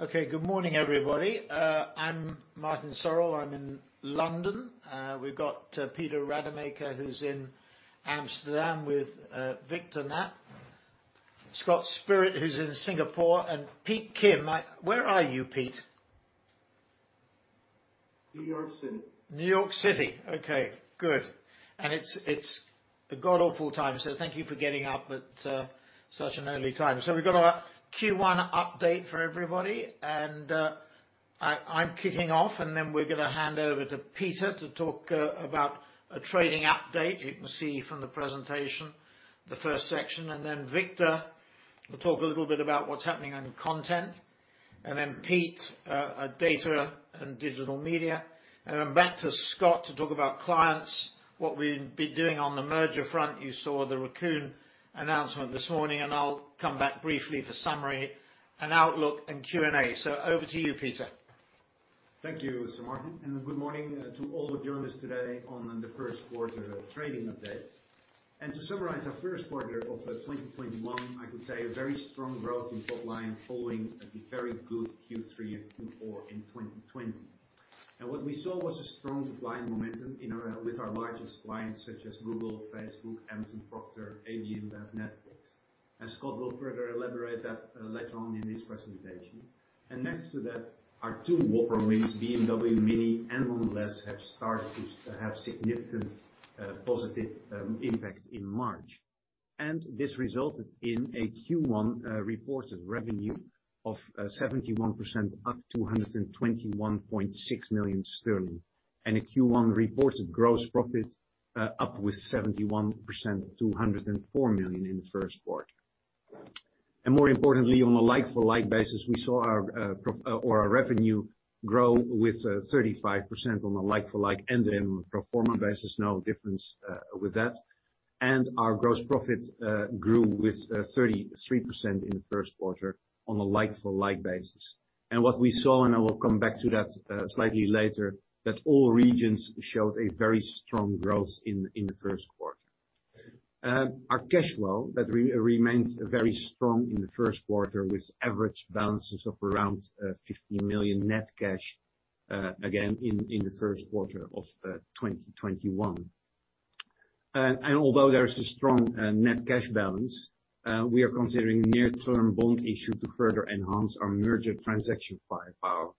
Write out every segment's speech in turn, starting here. Okay. Good morning, everybody. I'm Martin Sorrell. I'm in London. We've got Peter Rademaker, who's in Amsterdam with Victor Knaap, Scott Spirit, who's in Singapore, and Peter Kim. Where are you, Pete? New York City. New York City. Okay, good. It's a god-awful time. Thank you for getting up at such an early time. We've got our Q1 update for everybody. I'm kicking off. We're going to hand over to Peter to talk about a trading update. You can see from the presentation, the first section. Victor will talk a little bit about what's happening on content. Pete, Data & Digital Media. Back to Scott to talk about clients, what we've been doing on the merger front. You saw the Raccoon announcement this morning. I'll come back briefly for summary and outlook and Q&A. Over to you, Peter. Thank you, Sir Martin, good morning to all of you who joined us today on the first quarter trading update. To summarize our first quarter of 2021, I could say very strong growth in top line following a very good Q3 and Q4 in 2020. What we saw was a strong top-line momentum with our largest clients, such as Google, Facebook, Amazon, Procter, IBM, Netflix, and Scott will further elaborate that later on in his presentation. Next to that, our two whopper wins, BMW Mini and Mondelēz, have started to have significant positive impact in March. This resulted in a Q1 reported revenue of 71% up to 121.6 million sterling. A Q1 reported gross profit up with 71%, 204 million in the first quarter. More importantly, on a like for like basis, we saw our revenue grow with 35% on a like for like and then pro forma basis, no difference with that. Our gross profit grew with 33% in the first quarter on a like for like basis. What we saw, and I will come back to that slightly later, that all regions showed a very strong growth in the first quarter. Our cash flow, that remains very strong in the first quarter, with average balances of around 15 million net cash, again in the first quarter of 2021. Although there is a strong net cash balance, we are considering near-term bond issue to further enhance our merger transaction firepower.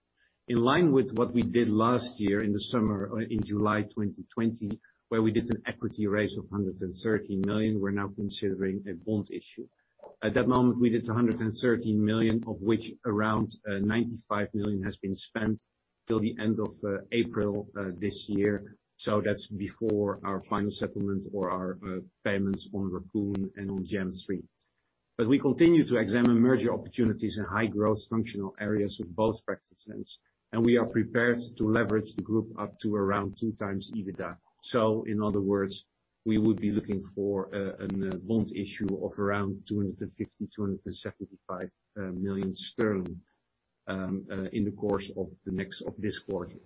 In line with what we did last year in the summer, in July 2020, where we did an equity raise of 113 million, we are now considering a bond issue. At that moment, we did 113 million, of which around 95 million has been spent till the end of April this year. That's before our final settlement or our payments on Raccoon and on Jam3. We continue to examine merger opportunities in high growth functional areas of both practices, and we are prepared to leverage the group up to around 2 times EBITDA. In other words, we would be looking for a bond issue of around 250 million-275 million sterling in the course of this quarter.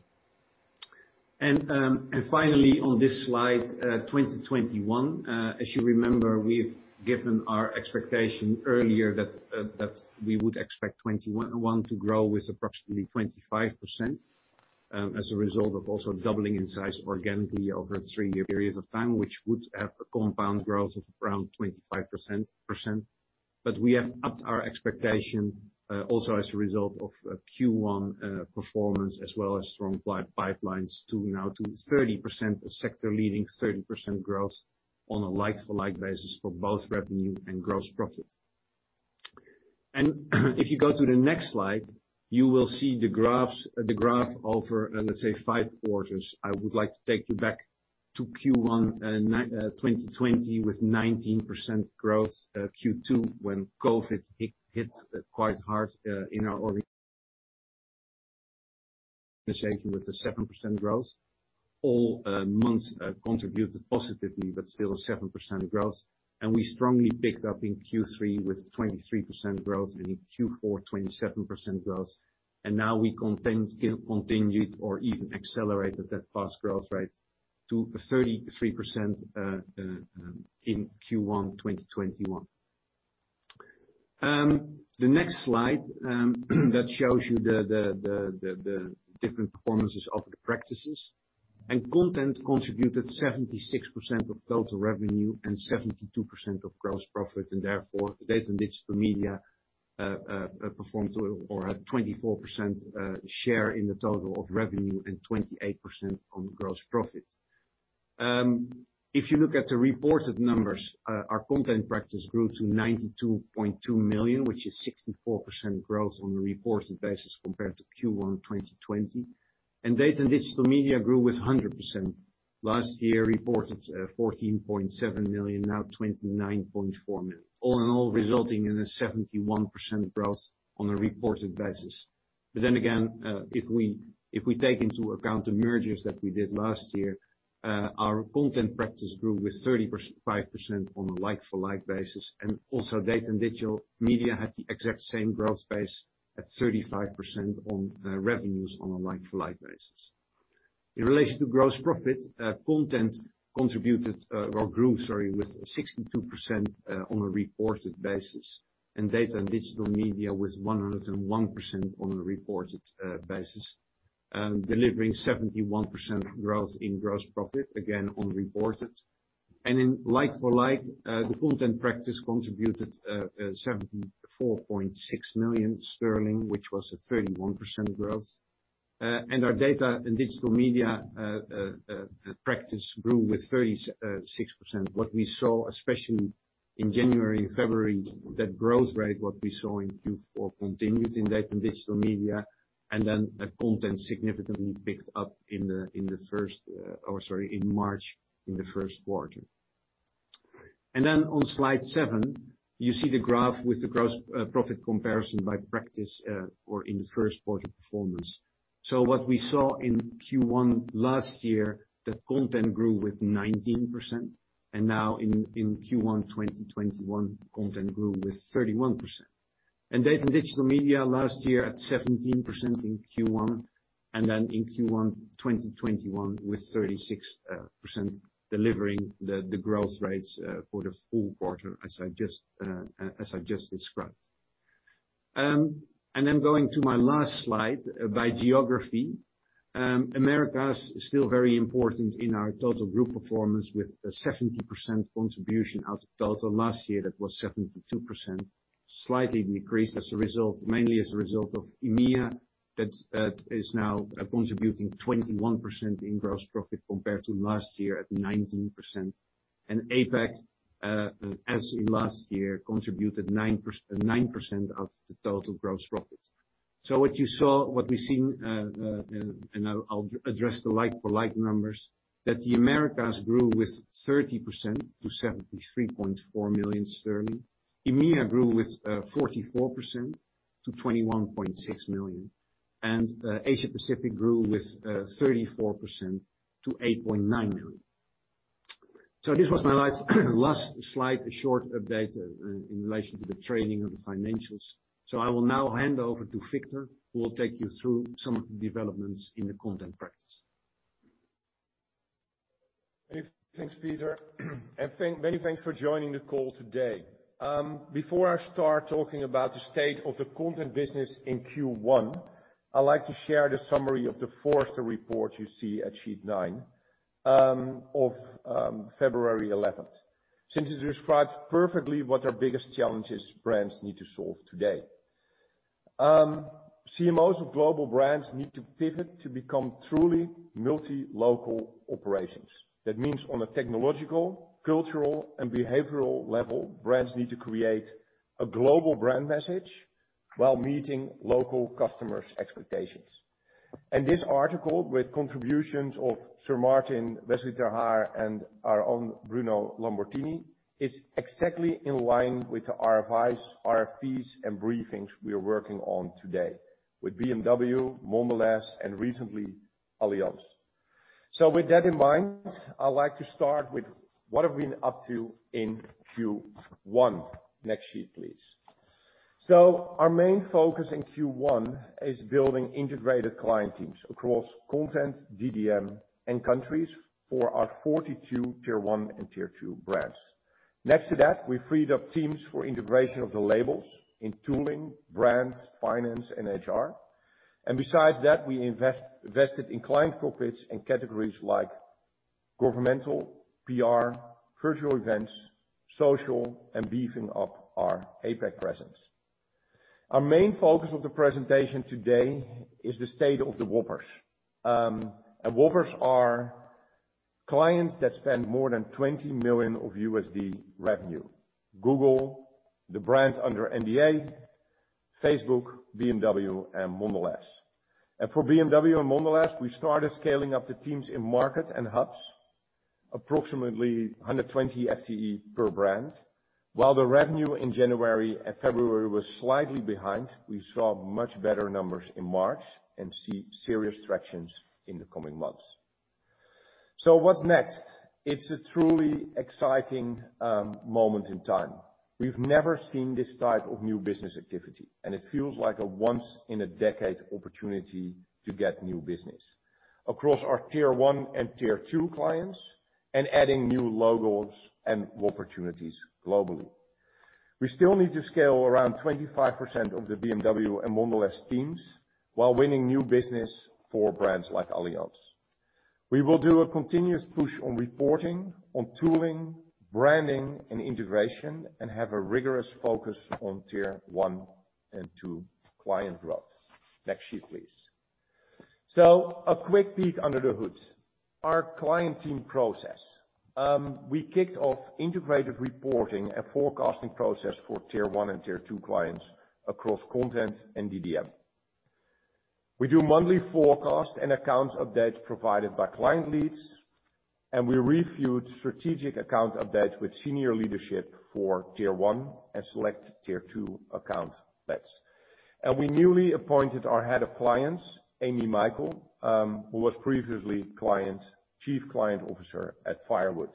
Finally, on this slide, 2021, as you remember, we've given our expectation earlier that we would expect 2021 to grow with approximately 25%, as a result of also doubling in size organically over a three-year period of time, which would have a compound growth of around 25%. We have upped our expectation, also as a result of Q1 performance, as well as strong pipelines, to now to 30%, sector leading 30% growth on a like for like basis for both revenue and gross profit. If you go to the next slide, you will see the graph over, let's say, five quarters. I would like to take you back to Q1 2020 with 19% growth. Q2, when COVID hit quite hard in our region with a 7% growth. All months contributed positively, but still 7% growth. We strongly picked up in Q3 with 23% growth, and in Q4, 27% growth. Now we continued or even accelerated that fast growth rate to 33% in Q1 2021. The next slide that shows you the different performances of the practices. Content contributed 76% of total revenue and 72% of gross profit. Therefore, Data & Digital Media performed or had 24% share in the total of revenue and 28% on gross profit. If you look at the reported numbers, our content practice grew to 92.2 million, which is 64% growth on a reported basis compared to Q1 2020. Data & Digital Media grew with 100%. Last year reported 14.7 million, now 29.4 million. All in all, resulting in a 71% growth on a reported basis. If we take into account the mergers that we did last year, our content practice grew with 35% on a like for like basis. Also, Data and Digital Media had the exact same growth space at 35% on revenues on a like-for-like basis. In relation to gross profit, Content contributed or grew, sorry, with 62% on a reported basis, Data and Digital Media was 101% on a reported basis, delivering 71% growth in gross profit, again on reported. In like-for-like, the Content practice contributed 74.6 million sterling, which was a 31% growth. Our Data and Digital Media practice grew with 36%. What we saw especially in January and February, that growth rate, what we saw in Q4 continued in Data and Digital Media, the Content significantly picked up in March, in the first quarter. On slide seven, you see the graph with the gross profit comparison by practice or in the first quarter performance. What we saw in Q1 last year, that content grew with 19%, and now in Q1 2021, content grew with 31%. Data and Digital Media last year at 17% in Q1, then in Q1 2021 with 36% delivering the growth rates for the full quarter as I've just described. Going to my last slide by geography. Americas is still very important in our total group performance with a 70% contribution out of total. Last year, that was 72%, slightly decreased, mainly as a result of EMEA. That is now contributing 21% in gross profit compared to last year at 19%. APAC, as in last year, contributed 9% of the total gross profit. What you saw, what we've seen, and I'll address the like for like numbers, that the Americas grew with 30% to 73.4 million sterling. EMEA grew with 44% to 21.6 million. Asia Pacific grew with 34% to 8.9 million. This was my last slide, a short update in relation to the trading of the financials. I will now hand over to Victor, who will take you through some developments in the content practice. Many thanks, Peter. Many thanks for joining the call today. Before I start talking about the state of the content business in Q1, I'd like to share the summary of the Forrester report you see at sheet nine, of February 11th. It describes perfectly what our biggest challenges brands need to solve today. CMOs of global brands need to pivot to become truly multi-local operations. That means on a technological, cultural, and behavioral level, brands need to create a global brand message while meeting local customers' expectations. This article with contributions of Sir Martin, Wesley ter Haar, and our own Bruno Lambertini, is exactly in line with the RFIs, RFPs, and briefings we are working on today with BMW, Mondelēz, and recently Allianz. With that in mind, I'd like to start with what have we been up to in Q1. Next sheet, please. Our main focus in Q1 is building integrated client teams across content, DDM, and countries for our 42 Tier 1 and Tier 2 brands. Next to that, we freed up teams for integration of the labels in tooling, brands, finance, and HR. Besides that, we invested in client carpets and categories like governmental, PR, virtual events, social, and beefing up our APAC presence. Our main focus of the presentation today is the state of the Whoppers. Whoppers are clients that spend more than $20 million revenue. Google, the brand under NDA, Facebook, BMW, and Mondelēz. For BMW and Mondelēz, we started scaling up the teams in market and hubs approximately 120 FTE per brand. While the revenue in January and February was slightly behind, we saw much better numbers in March and see serious tractions in the coming months. What's next? It's a truly exciting moment in time. It feels like a once in a decade opportunity to get new business across our Tier 1 and Tier 2 clients and adding new logos and opportunities globally. We still need to scale around 25% of the BMW and Mondelēz teams while winning new business for brands like Allianz. We will do a continuous push on reporting, on tooling, branding, and integration, and have a rigorous focus on Tier 1 and Tier 2 client growth. Next sheet, please. A quick peek under the hood. Our client team process. We kicked off integrated reporting, a forecasting process for Tier 1 and Tier 2 clients across content and DDM. We do monthly forecast and accounts update provided by client leads, we reviewed strategic account updates with senior leadership for Tier 1 and select Tier 2 account bets. We newly appointed our Head of Clients, Amy Michael, who was previously Chief Client Officer at Firewood.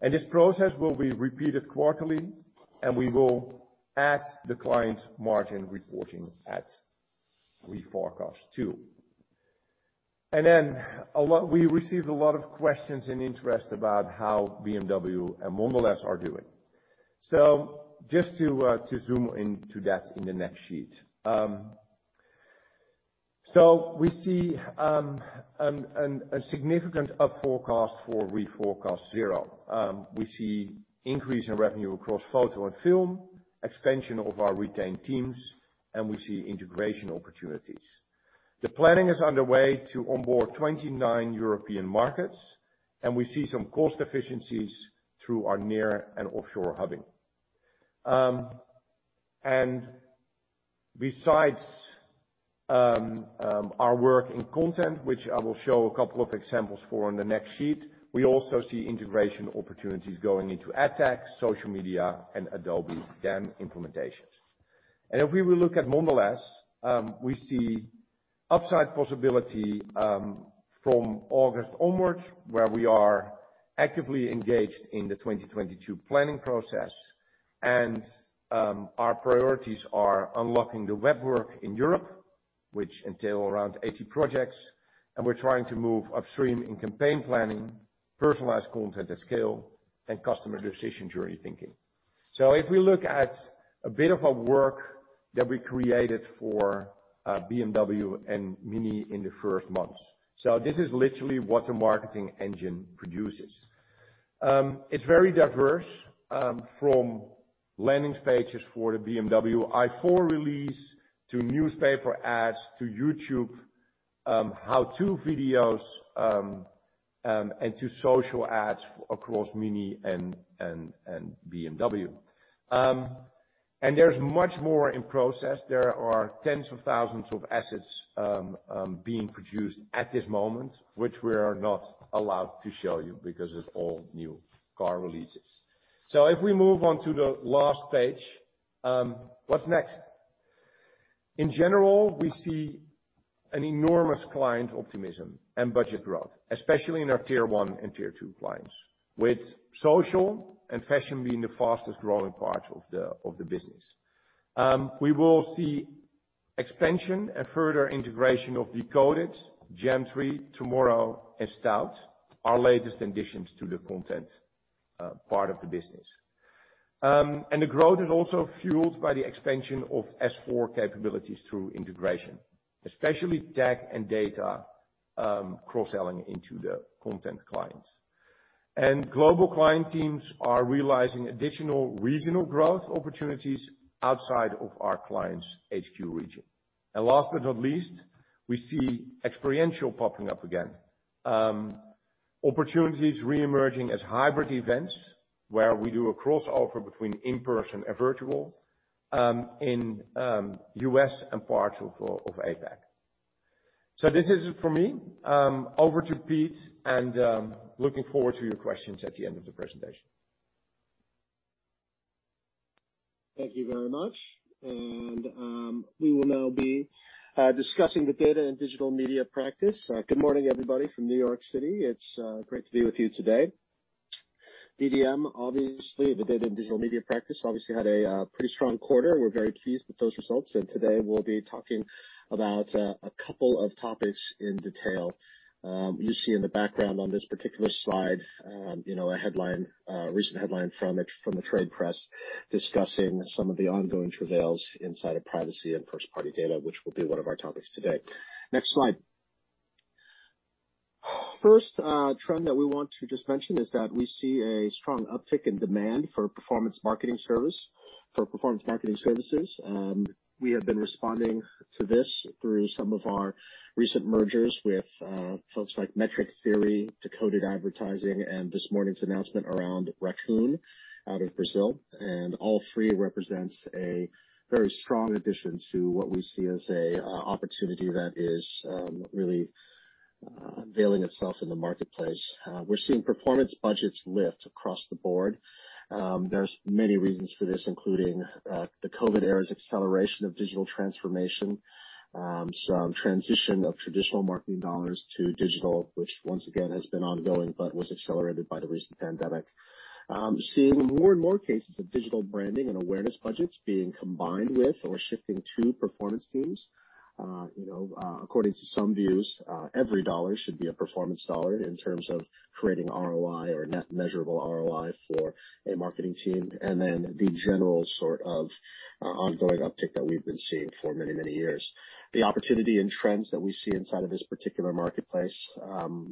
This process will be repeated quarterly, and we will add the client margin reporting at reforecast two. We received a lot of questions and interest about how BMW and Mondelēz are doing. Just to zoom into that in the next sheet. We see a significant up forecast for reforecast zero. We see increase in revenue across photo and film, expansion of our retained teams, and we see integration opportunities. The planning is underway to onboard 29 European markets, and we see some cost efficiencies through our near and offshore hubbing. Besides our work in content, which I will show a couple of examples for on the next sheet, we also see integration opportunities going into AdTech, social media, and Adobe DAM implementations. If we will look at Mondelēz, we see upside possibility, from August onwards, where we are actively engaged in the 2022 planning process and our priorities are unlocking the web work in Europe, which entail around 80 projects, we're trying to move upstream in campaign planning, personalized content at scale, and customer decision journey thinking. If we look at a bit of our work that we created for BMW and Mini in the first months. This is literally what a marketing engine produces. It's very diverse, from landing pages for the BMW i4 release to newspaper ads, to YouTube how-to videos, and to social ads across Mini and BMW. There's much more in process. There are tens of thousands of assets being produced at this moment, which we are not allowed to show you because it's all new car releases. If we move on to the last page, what's next? In general, we see an enormous client optimism and budget growth, especially in our tier 1 and tier 2 clients, with social and fashion being the fastest growing part of the business. We will see expansion and further integration of Decoded, Jam3, Tomorrow, and Staud, our latest additions to the content part of the business. The growth is also fueled by the expansion of S4 capabilities through integration, especially tech and data cross-selling into the content clients. Global client teams are realizing additional regional growth opportunities outside of our clients' HQ region. Last but not least, we see experiential popping up again. Opportunities reemerging as hybrid events where we do a crossover between in-person and virtual, in U.S. and parts of APAC. This is it for me. Over to Pete and looking forward to your questions at the end of the presentation. Thank you very much. We will now be discussing the Data & Digital Media practice. Good morning, everybody from New York City. It's great to be with you today. DDM, the Data & Digital Media practice, had a pretty strong quarter. We're very pleased with those results. Today we'll be talking about a couple of topics in detail. You see in the background on this particular slide, a recent headline from the trade press discussing some of the ongoing travails inside of privacy and first-party data, which will be one of our topics today. Next slide. First trend that we want to just mention is that we see a strong uptick in demand for performance marketing services. We have been responding to this through some of our recent mergers with folks like Metric Theory, Decoded Advertising, and this morning's announcement around Raccoon out of Brazil. All three represents a very strong addition to what we see as a opportunity that is really unveiling itself in the marketplace. We're seeing performance budgets lift across the board. There's many reasons for this, including the COVID era's acceleration of digital transformation. Some transition of traditional marketing dollars to digital, which once again, has been ongoing but was accelerated by the recent pandemic. Seeing more and more cases of digital branding and awareness budgets being combined with or shifting to performance teams. According to some views, every dollar should be a performance dollar in terms of creating ROI or net measurable ROI for a marketing team, and then the general sort of ongoing uptick that we've been seeing for many, many years. The opportunity and trends that we see inside of this particular marketplace,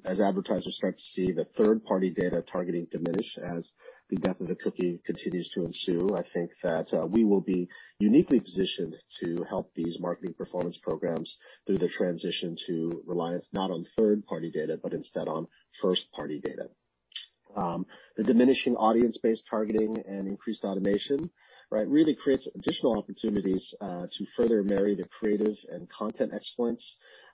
as advertisers start to see the third-party data targeting diminish as the death of the cookie continues to ensue, I think that we will be uniquely positioned to help these marketing performance programs through the transition to reliance not on third-party data, but instead on first-party data. The diminishing audience-based targeting and increased automation really creates additional opportunities, to further marry the creative and content excellence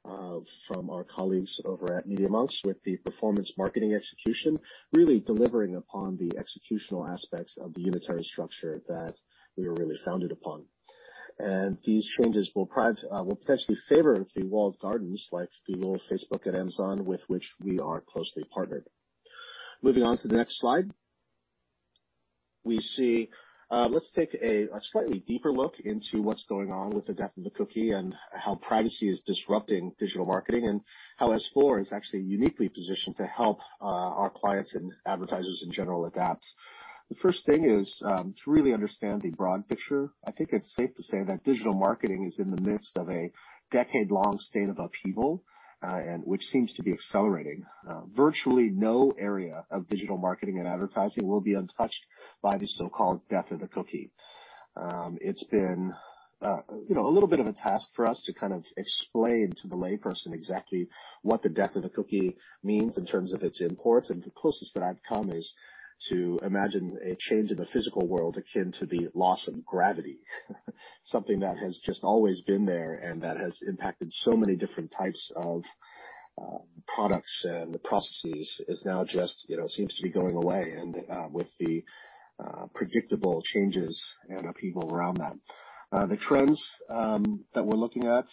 from our colleagues over at Media.Monks with the performance marketing execution, really delivering upon the executional aspects of the unitary structure that we were really founded upon. These changes will potentially favor the walled gardens like Google, Facebook, and Amazon, with which we are closely partnered. Moving on to the next slide. Let's take a slightly deeper look into what's going on with the death of the cookie, and how privacy is disrupting digital marketing, and how S4 is actually uniquely positioned to help our clients and advertisers in general adapt. The first thing is to really understand the broad picture. I think it's safe to say that digital marketing is in the midst of a decade-long state of upheaval, which seems to be accelerating. Virtually no area of digital marketing and advertising will be untouched by the so-called death of the cookie. It's been a little bit of a task for us to kind of explain to the layperson exactly what the death of the cookie means in terms of its import. The closest that I've come is to imagine a change in the physical world akin to the loss of gravity. Something that has just always been there and that has impacted so many different types of products and the processes is now just seems to be going away, with the predictable changes and upheaval around that. The trends that we're looking at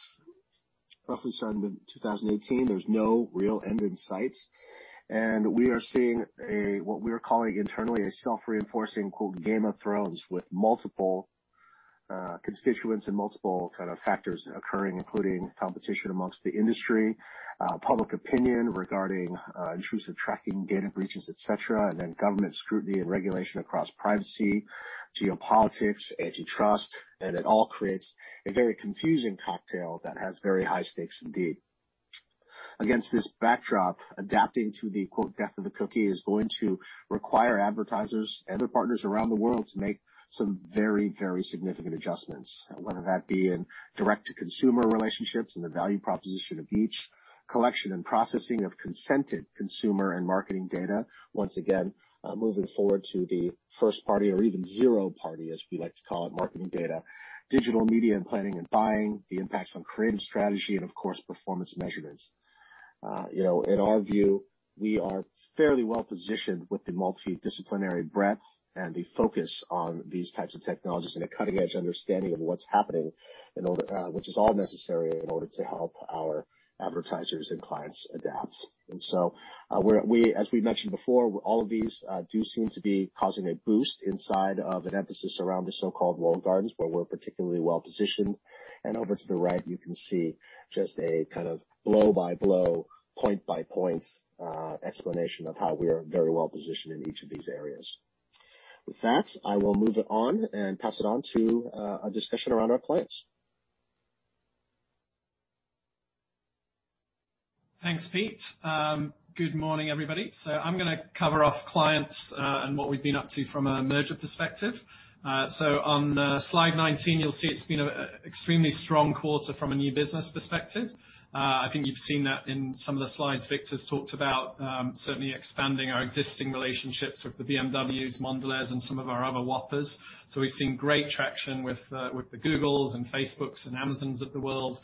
roughly started in mid-2018. There's no real end in sight. We are seeing what we are calling internally a self-reinforcing "Game of Thrones" with multiple constituents and multiple kind of factors occurring, including competition amongst the industry, public opinion regarding intrusive tracking, data breaches, et cetera, government scrutiny and regulation across privacy, geopolitics, antitrust. It all creates a very confusing cocktail that has very high stakes indeed. Against this backdrop, adapting to the "death of the cookie" is going to require advertisers and their partners around the world to make some very significant adjustments, whether that be in direct-to-consumer relationships and the value proposition of each, collection and processing of consented consumer and marketing data, once again, moving forward to the first-party or even zero-party, as we like to call it, marketing data, digital media and planning and buying, the impacts on creative strategy, and of course, performance measurements. In our view, we are fairly well-positioned with the multidisciplinary breadth and the focus on these types of technologies and a cutting-edge understanding of what's happening, which is all necessary in order to help our advertisers and clients adapt. As we mentioned before, all of these do seem to be causing a boost inside of an emphasis around the so-called walled gardens, where we're particularly well-positioned. Over to the right, you can see just a kind of blow-by-blow, point-by-point explanation of how we are very well-positioned in each of these areas. With that, I will move it on and pass it on to a discussion around our clients. Thanks, Pete. Good morning, everybody. I'm going to cover off clients, and what we've been up to from a merger perspective. On slide 19, you'll see it's been an extremely strong quarter from a new business perspective. I think you've seen that in some of the slides Victor talked about, certainly expanding our existing relationships with the BMWs, Mondelēzes, and some of our other Whoppers. We've seen great traction with the Googles and Facebooks and Amazons of the world.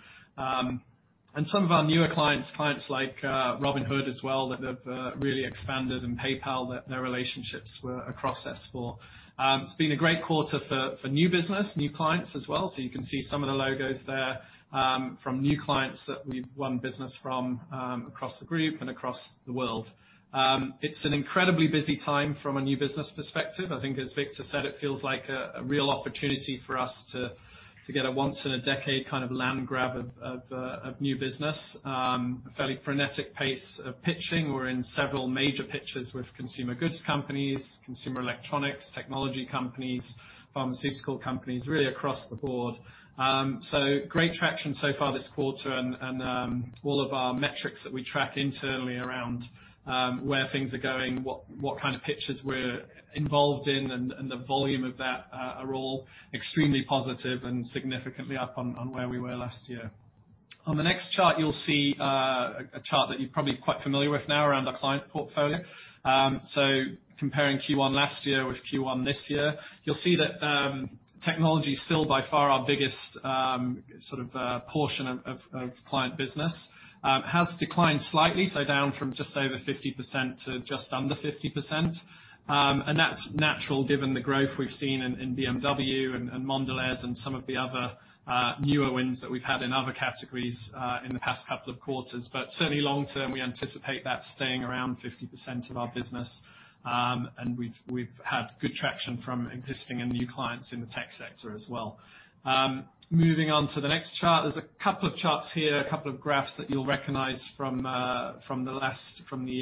Some of our newer clients like Robinhood as well, that have really expanded, and PayPal, their relationships across S4. It's been a great quarter for new business, new clients as well. You can see some of the logos there from new clients that we've won business from across the group and across the world. It's an incredibly busy time from a new business perspective. I think as Victor said, it feels like a real opportunity for us to get a once in a decade kind of land grab of new business. A fairly frenetic pace of pitching. We're in several major pitches with consumer goods companies, consumer electronics, technology companies, pharmaceutical companies, really across the board. Great traction so far this quarter and all of our metrics that we track internally around where things are going, what kind of pitches we're involved in, and the volume of that are all extremely positive and significantly up on where we were last year. On the next chart, you'll see a chart that you're probably quite familiar with now around our client portfolio. Comparing Q1 last year with Q1 this year, you'll see that technology is still by far our biggest sort of portion of client business. Has declined slightly, down from just over 50% to just under 50%, and that's natural given the growth we've seen in BMW and Mondelēz and some of the other newer wins that we've had in other categories in the past couple of quarters. Certainly long term, we anticipate that staying around 50% of our business, and we've had good traction from existing and new clients in the tech sector as well. Moving on to the next chart. There's a couple of charts here, a couple of graphs that you'll recognize from the FY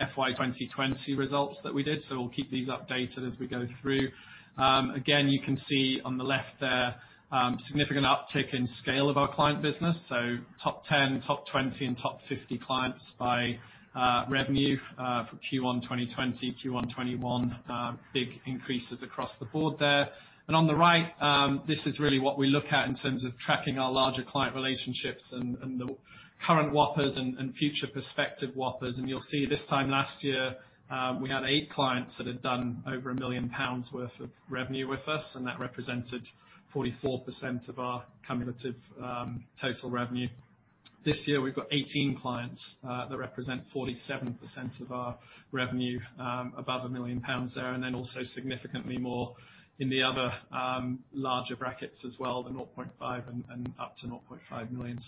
2020 results that we did, so we'll keep these updated as we go through. Again, you can see on the left there, significant uptick in scale of our client business. Top 10, top 20, and top 50 clients by revenue for Q1 2020, Q1 2021. Big increases across the board there. On the right, this is really what we look at in terms of tracking our larger client relationships and the current Whoppers and future prospective Whoppers. You'll see this time last year, we had eight clients that had done over 1 million pounds worth of revenue with us, and that represented 44% of our cumulative total revenue. This year, we've got 18 clients that represent 47% of our revenue above 1 million pounds there, and then also significantly more in the other larger brackets as well, the 0.5 and up to 0.5 million.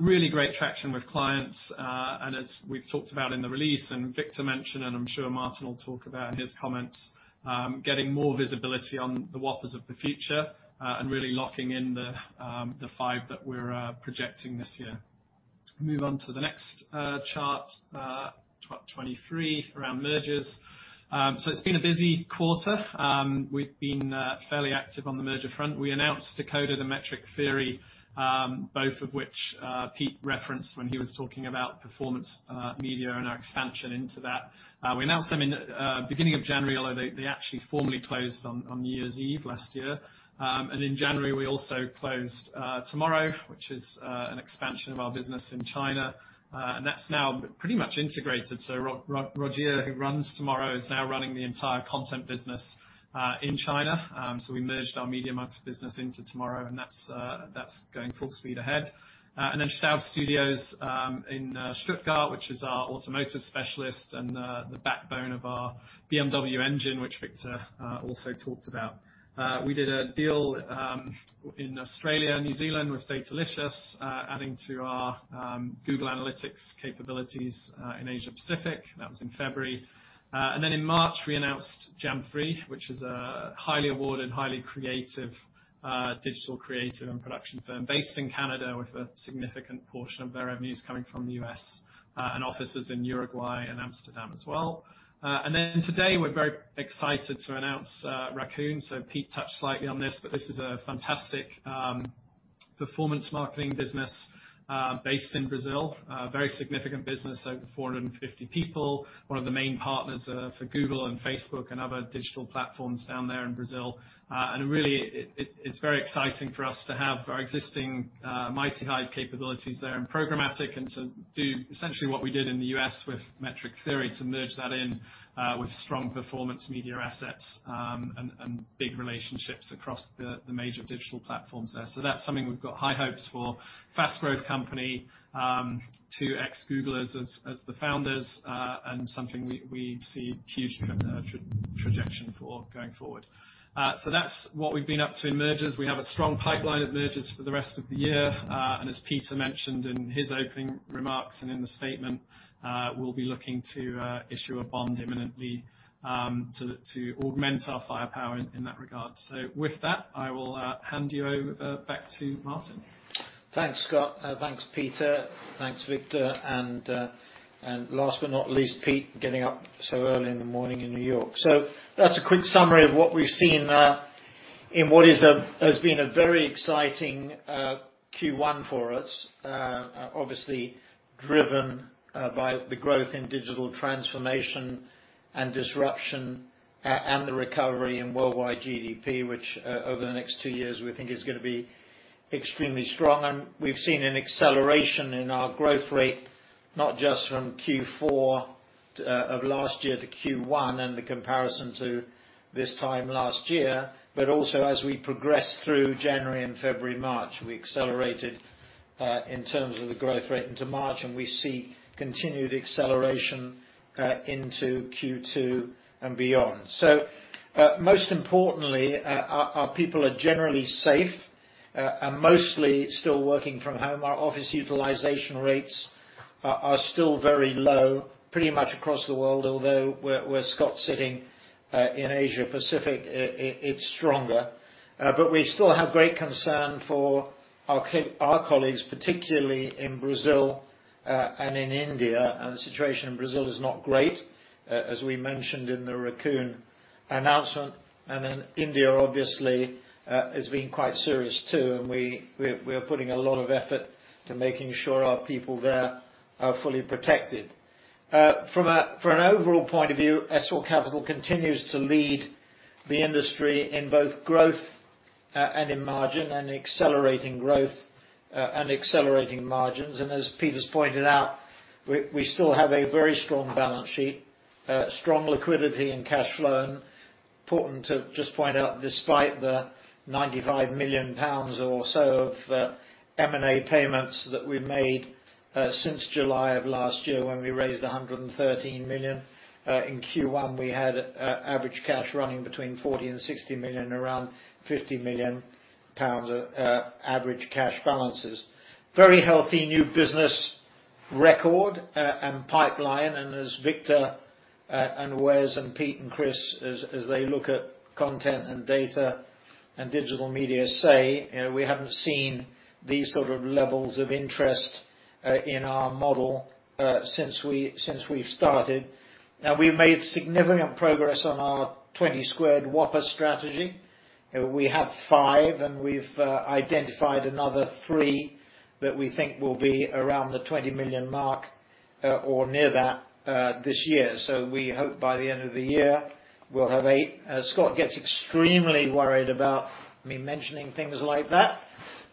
Really great traction with clients. As we've talked about in the release, Victor mentioned, and I'm sure Martin will talk about in his comments, getting more visibility on the Whoppers of the future, and really locking in the five that we're projecting this year. Move on to the next chart 23 around mergers. It's been a busy quarter. We've been fairly active on the merger front. We announced Decoded, the Metric Theory, both of which Pete referenced when he was talking about performance media and our expansion into that. We announced them in beginning of January, although they actually formally closed on New Year's Eve last year. In January, we also closed Tomorrow, which is an expansion of our business in China. That's now pretty much integrated. Rogier Bikker, who runs Tomorrow, is now running the entire content business in China. We merged our Media.Monks business into Tomorrow, and that's going full speed ahead. Staud Studios in Stuttgart, which is our automotive specialist and the backbone of our BMW engine, which Victor Knaap also talked about. We did a deal in Australia and New Zealand with Datalicious, adding to our Google Analytics capabilities in Asia Pacific. That was in February. In March, we announced Jam3, which is a highly awarded, highly creative digital creative and production firm based in Canada, with a significant portion of their revenues coming from the U.S., and offices in Uruguay and Amsterdam as well. Today, we're very excited to announce Raccoon. Pete touched slightly on this is a fantastic performance marketing business based in Brazil. A very significant business, over 450 people. One of the main partners for Google and Facebook and other digital platforms down there in Brazil. It's very exciting for us to have our existing MightyHive capabilities there in programmatic and to do essentially what we did in the U.S. with Metric Theory, to merge that in with strong performance media assets, and big relationships across the major digital platforms there. That's something we've got high hopes for. Fast growth company, two ex-Googlers as the founders, something we see huge traction for going forward. That's what we've been up to in mergers. We have a strong pipeline of mergers for the rest of the year. As Peter mentioned in his opening remarks and in the statement, we'll be looking to issue a bond imminently to augment our firepower in that regard. With that, I will hand you over back to Martin. Thanks, Scott. Thanks, Peter. Thanks, Victor. Last but not least, Pete, getting up so early in the morning in New York. That's a quick summary of what we've seen in what has been a very exciting Q1 for us. Obviously driven by the growth in digital transformation and disruption, and the recovery in worldwide GDP, which over the next two years we think is going to be extremely strong. We've seen an acceleration in our growth rate, not just from Q4 of last year to Q1 and the comparison to this time last year, but also as we progress through January and February, March. We accelerated in terms of the growth rate into March, and we see continued acceleration into Q2 and beyond. Most importantly, our people are generally safe and mostly still working from home. Our office utilization rates are still very low, pretty much across the world, although where Scott's sitting in Asia Pacific, it's stronger. We still have great concern for our colleagues, particularly in Brazil and in India. The situation in Brazil is not great, as we mentioned in the Raccoon announcement. India, obviously, has been quite serious too, and we are putting a lot of effort to making sure our people there are fully protected. From an overall point of view, S4 Capital continues to lead the industry in both growth and in margin and accelerating growth and accelerating margins. As Peter's pointed out, we still have a very strong balance sheet, strong liquidity and cash flow. Important to just point out, despite the 95 million pounds or so of M&A payments that we've made since July of last year when we raised the 113 million, in Q1 we had average cash running between 40 million and 60 million, around 50 million pounds average cash balances. Very healthy new business record and pipeline. As Victor and Wes and Pete and Chris, as they look at Content and Data & Digital Media say, we haven't seen these sort of levels of interest in our model since we've started. We've made significant progress on our 20 squared Whopper strategy. We have five, and we've identified another three that we think will be around the $20 million mark or near that this year. We hope by the end of the year, we'll have eight. As Scott gets extremely worried about me mentioning things like that,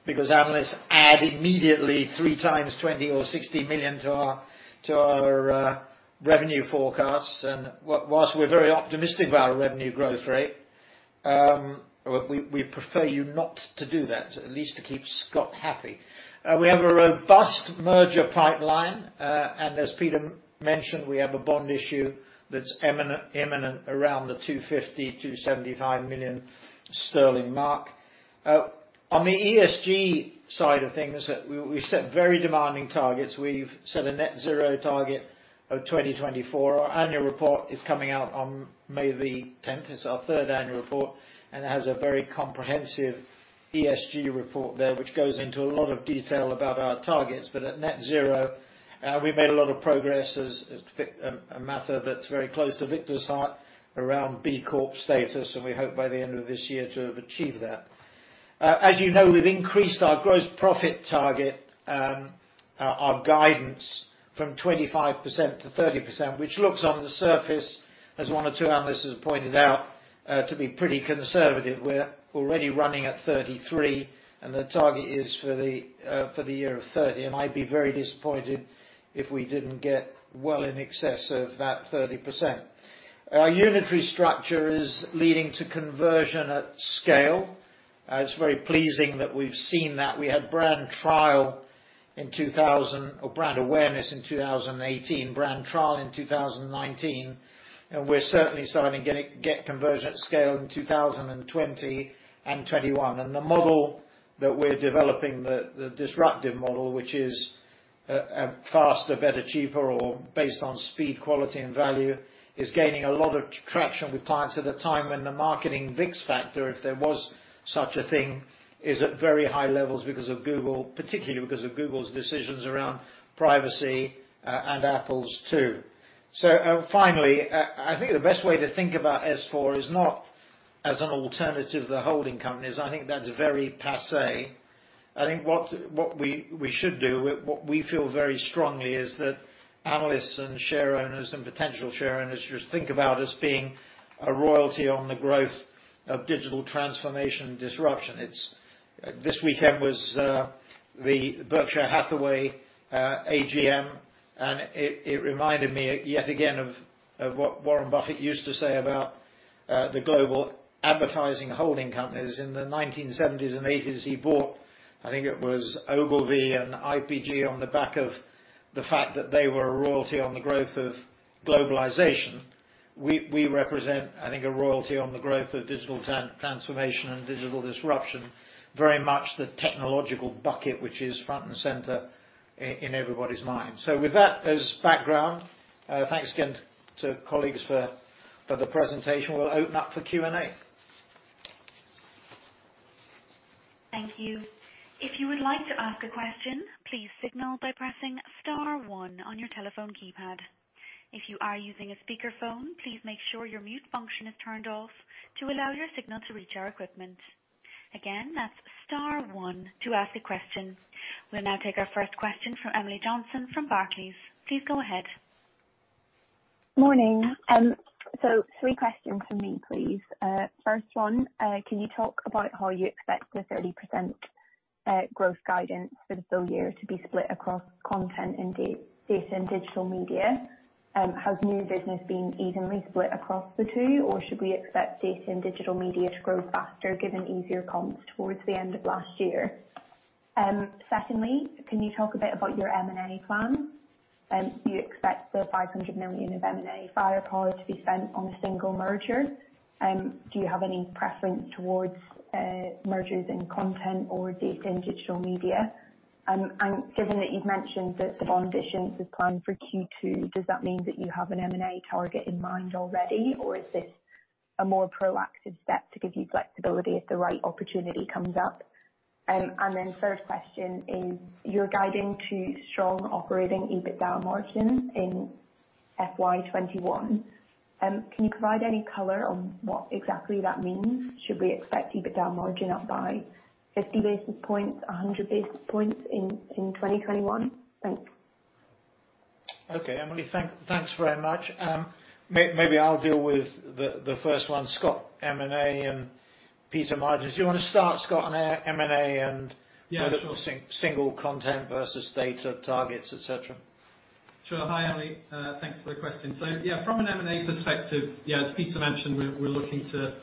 because analysts add immediately 3x 20 million or 60 million to our revenue forecasts. Whilst we're very optimistic about our revenue growth rate. We prefer you not to do that, at least to keep Scott happy. We have a robust merger pipeline, as Peter mentioned, we have a bond issue that's imminent around the 250 million-275 million sterling mark. On the ESG side of things, we set very demanding targets. We've set a net zero target of 2024. Our annual report is coming out on May the 10th. It's our third annual report, and it has a very comprehensive ESG report there, which goes into a lot of detail about our targets. At net zero, we made a lot of progress as a matter that's very close to Victor's heart around B Corp status, and we hope by the end of this year to have achieved that. As you know, we've increased our gross profit target, our guidance from 25%-30%, which looks on the surface, as one or two analysts have pointed out, to be pretty conservative. We're already running at 33%, and the target is for the year of 30%. I'd be very disappointed if we didn't get well in excess of that 30%. Our unitary structure is leading to conversion at scale. It's very pleasing that we've seen that. We had brand awareness in 2018, brand trial in 2019, and we're certainly starting to get conversion at scale in 2020 and 2021. The model that we're developing, the disruptive model, which is faster, better, cheaper, or based on speed, quality, and value, is gaining a lot of traction with clients at a time when the marketing VIX factor, if there was such a thing, is at very high levels particularly because of Google's decisions around privacy, and Apple's too. Finally, I think the best way to think about S4 is not as an alternative to the holding companies. I think that's very passe. I think what we should do, what we feel very strongly is that analysts and share owners and potential share owners should think about us being a royalty on the growth of digital transformation disruption. This weekend was the Berkshire Hathaway AGM, and it reminded me yet again of what Warren Buffett used to say about the global advertising holding companies. In the 1970s and 1980s, he bought, I think it was Ogilvy and IPG on the back of the fact that they were a royalty on the growth of globalization. We represent, I think, a royalty on the growth of digital transformation and digital disruption, very much the technological bucket, which is front and center in everybody's mind. With that as background, thanks again to colleagues for the presentation. We'll open up for Q&A. Thank you. We will now take our first question from Emily Johnson from Barclays. Please go ahead. Morning. Three questions from me, please. First one, can you talk about how you expect the 30% growth guidance for the full year to be split across content and Data & Digital Media? Has new business been evenly split across the two, or should we expect Data & Digital Media to grow faster given easier comps towards the end of last year? Secondly, can you talk a bit about your M&A plans? Do you expect the 500 million of M&A firepower to be spent on a single merger? Do you have any preference towards mergers in content or Data & Digital Media? Given that you've mentioned that the bond issuance is planned for Q2, does that mean that you have an M&A target in mind already, or is this a more proactive step to give you flexibility if the right opportunity comes up? 3rd question is, you're guiding to strong operating EBITDA margin in FY 2021. Can you provide any color on what exactly that means? Should we expect EBITDA margin up by 50 basis points, 100 basis points in 2021? Thanks. Okay, Emily. Thanks very much. Maybe I'll deal with the first one. Scott, M&A, and Peter, margins. You want to start, Scott, on M&A? Yeah, sure. Single content versus data targets, et cetera. Sure. Hi, Emily Field. Thanks for the question. Yeah, from an M&A perspective, as Peter Rademaker mentioned, we're looking to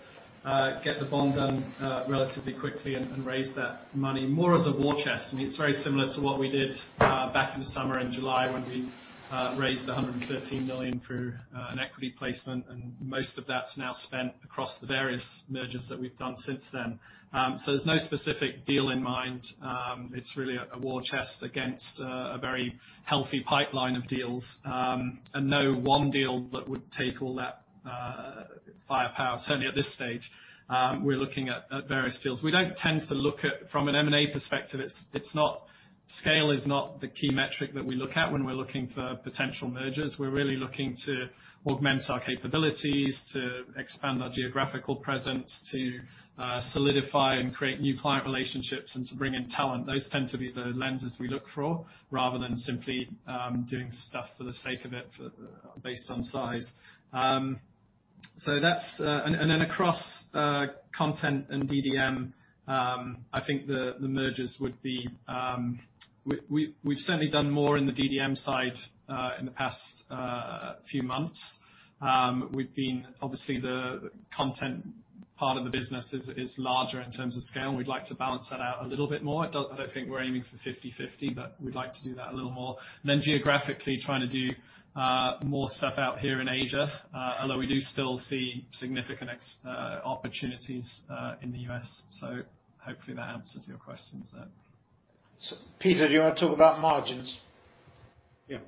get the bond done relatively quickly and raise that money more as a war chest. I mean, it's very similar to what we did back in the summer in July when we raised 113 million through an equity placement, most of that's now spent across the various mergers that we've done since then. There's no specific deal in mind. It's really a war chest against a very healthy pipeline of deals. No one deal that would take all that firepower, certainly at this stage. We're looking at various deals. We don't tend to look at from an M&A perspective, scale is not the key metric that we look at when we're looking for potential mergers. We're really looking to augment our capabilities, to expand our geographical presence, to solidify and create new client relationships, and to bring in talent. Those tend to be the lenses we look for rather than simply doing stuff for the sake of it based on size. Across content and DDM, we've certainly done more in the DDM side in the past few months. Obviously, the content part of the business is larger in terms of scale, and we'd like to balance that out a little bit more. I don't think we're aiming for 50/50. We'd like to do that a little more. Geographically, trying to do more stuff out here in Asia, although we do still see significant opportunities in the U.S. Hopefully, that answers your questions. Peter, do you want to talk about margins? Yeah.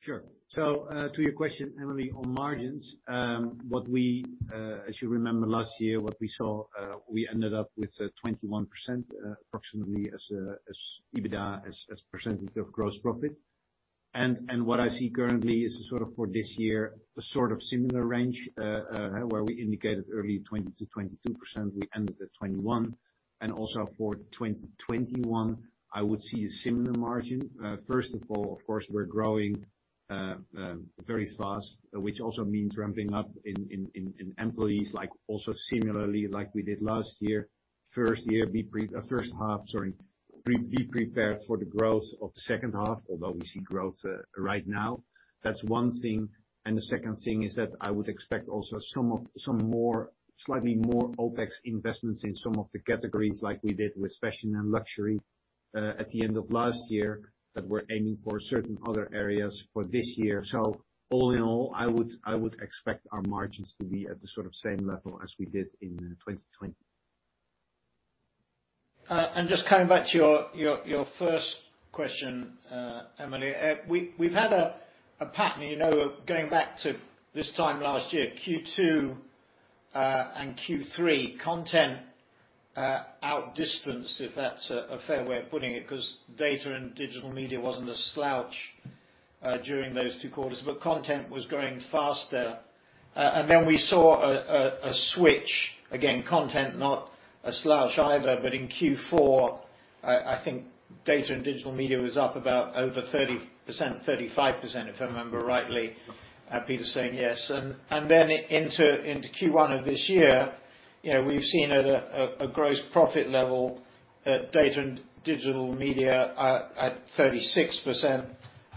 Sure. To your question, Emily, on margins, as you remember last year, what we saw, we ended up with 21%, approximately, as EBITDA, as a percentage of gross profit. What I see currently is sort of for this year, a sort of similar range, where we indicated early 20%-22%, we ended at 21%. Also for 2021, I would see a similar margin. First of all, of course, we're growing very fast, which also means ramping up in employees, also similarly like we did last year. First half, be prepared for the growth of the second half, although we see growth right now. That's one thing. The second thing is that I would expect also some slightly more OpEx investments in some of the categories like we did with fashion and luxury at the end of last year, that we're aiming for certain other areas for this year. All in all, I would expect our margins to be at the sort of same level as we did in 2020. Just coming back to your 1st question, Emily. We've had a pattern, going back to this time last year, Q2 and Q3, Content outdistanced, if that's a fair way of putting it, because Data & Digital Media wasn't a slouch during those two quarters, Content was growing faster. Then we saw a switch. Again, Content, not a slouch either, in Q4, I think Data & Digital Media was up about over 30%, 35%, if I remember rightly. Peter's saying yes. Then into Q1 of this year, we've seen at a gross profit level, Data & Digital Media at 36%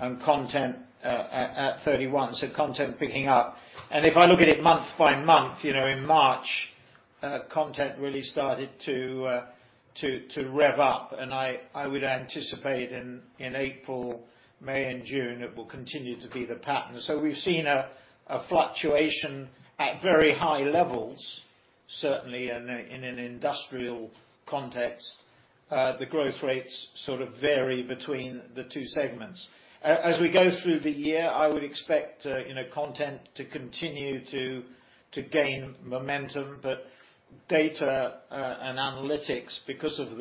and Content at 31%. Content picking up. If I look at it month by month, in March, Content really started to rev up, and I would anticipate in April, May, and June, it will continue to be the pattern. We've seen a fluctuation at very high levels. Certainly in an industrial context, the growth rates sort of vary between the two segments. As we go through the year, I would expect content to continue to gain momentum. Data and analytics, because of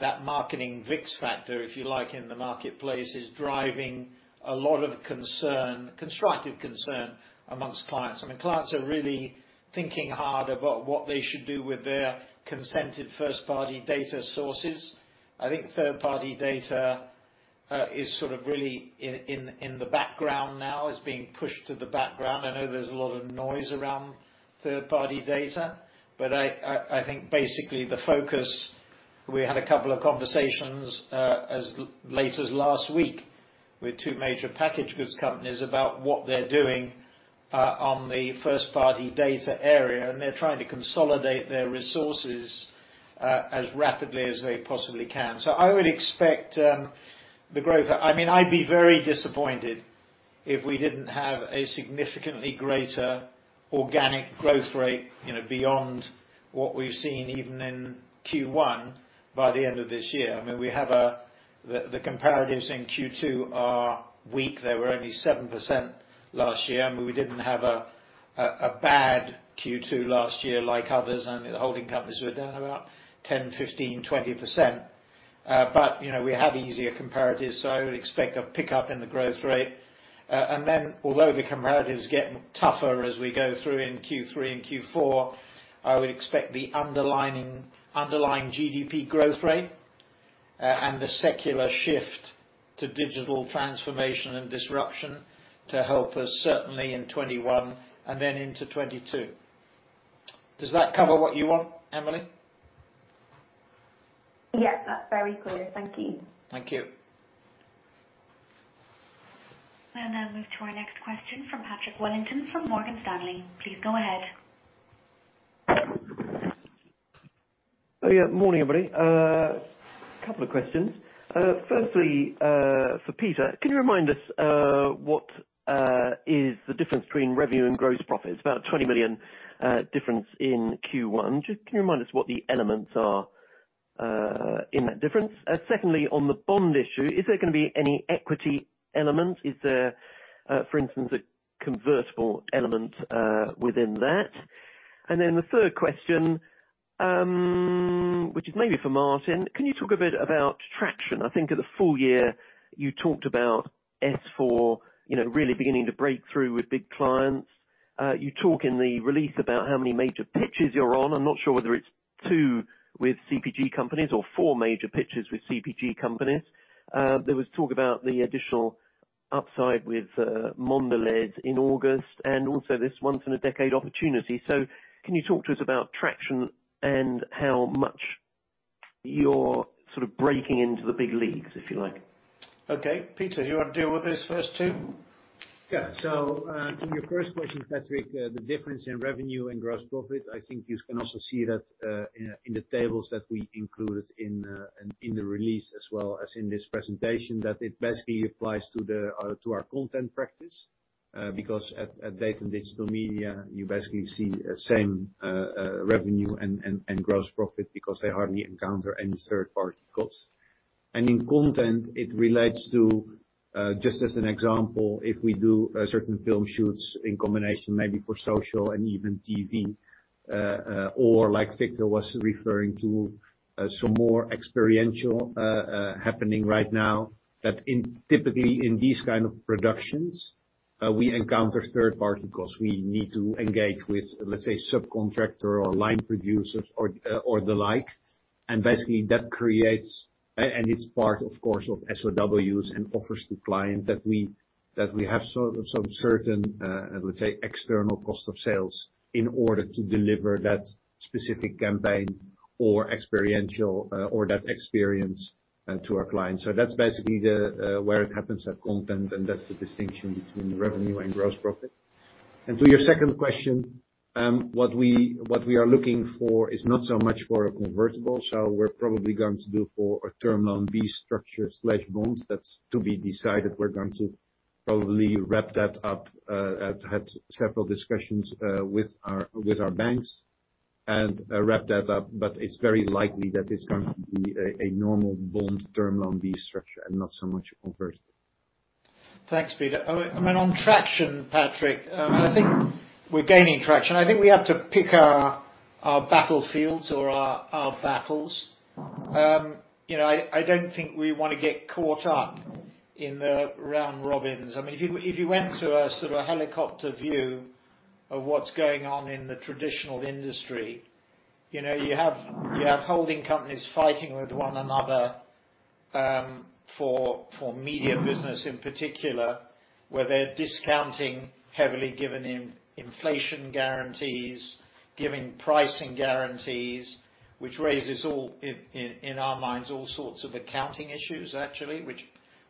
that marketing VIX factor, if you like, in the marketplace, is driving a lot of concern, constructive concern amongst clients. Clients are really thinking hard about what they should do with their consented first-party data sources. I think third-party data is sort of really in the background now, is being pushed to the background. I know there's a lot of noise around third-party data. I think basically the focus, we had a couple of conversations as late as last week with two major package goods companies about what they're doing on the first-party data area, and they're trying to consolidate their resources as rapidly as they possibly can. I'd be very disappointed if we didn't have a significantly greater organic growth rate beyond what we've seen even in Q1 by the end of this year. The comparatives in Q2 are weak. They were only 7% last year. We didn't have a bad Q2 last year like others. The holding companies were down about 10%, 15%, 20%. We have easier comparatives, so I would expect a pickup in the growth rate. Although the comparatives get tougher as we go through in Q3 and Q4, I would expect the underlying GDP growth rate and the secular shift to digital transformation and disruption to help us certainly in 2021 and then into 2022. Does that cover what you want, Emily? Yes, that's very clear. Thank you. Thank you. We'll now move to our next question from Patrick Wellington from Morgan Stanley. Please go ahead. Yeah. Morning, everybody. A couple of questions. Firstly, for Peter, can you remind us what is the difference between revenue and gross profits? About 20 million difference in Q1. Just can you remind us what the elements are in that difference? Secondly, on the bond issue, is there going to be any equity element? Is there, for instance, a convertible element within that? Then the third question, which is maybe for Martin. Can you talk a bit about traction? I think at the full year, you talked about S4 really beginning to break through with big clients. You talk in the release about how many major pitches you're on. I'm not sure whether it's two with CPG companies or four major pitches with CPG companies. There was talk about the additional upside with Mondelēz in August, also this once in a decade opportunity. Can you talk to us about traction and how much you're sort of breaking into the big leagues, if you like? Okay. Peter, you want to deal with those first two? On your 1st question, Patrick, the difference in revenue and gross profit, I think you can also see that in the tables that we included in the release as well as in this presentation, that it basically applies to our content practice. At Data & Digital Media, you basically see same revenue and gross profit because they hardly encounter any third-party cost. In content, it relates to, just as an example, if we do certain film shoots in combination, maybe for social and even TV, or like Victor was referring to, some more experiential happening right now, that typically in these kind of productions, we encounter third-party costs. We need to engage with, let's say, subcontractor or line producers or the like. Basically that creates. It's part, of course, of SOWs and offers to clients that we have some certain, I would say, external cost of sales in order to deliver that specific campaign or experiential or that experience to our clients. That's basically where it happens at content, and that's the distinction between revenue and gross profit. To your 2nd question, what we are looking for is not so much for a convertible. We're probably going to do for a term loan B structure/bond. That's to be decided. We're going to probably wrap that up. I've had several discussions with our banks and wrap that up, but it's very likely that it's going to be a normal bond term loan B structure and not so much convertible. Thanks, Peter. On traction, Patrick, I think we're gaining traction. I think we have to pick our battlefields or our battles. I don't think we want to get caught up in the round robins. If you went to a sort of a helicopter view of what's going on in the traditional industry, you have holding companies fighting with one another, for media business in particular, where they're discounting heavily, giving inflation guarantees, giving pricing guarantees, which raises all, in our minds, all sorts of accounting issues, actually, which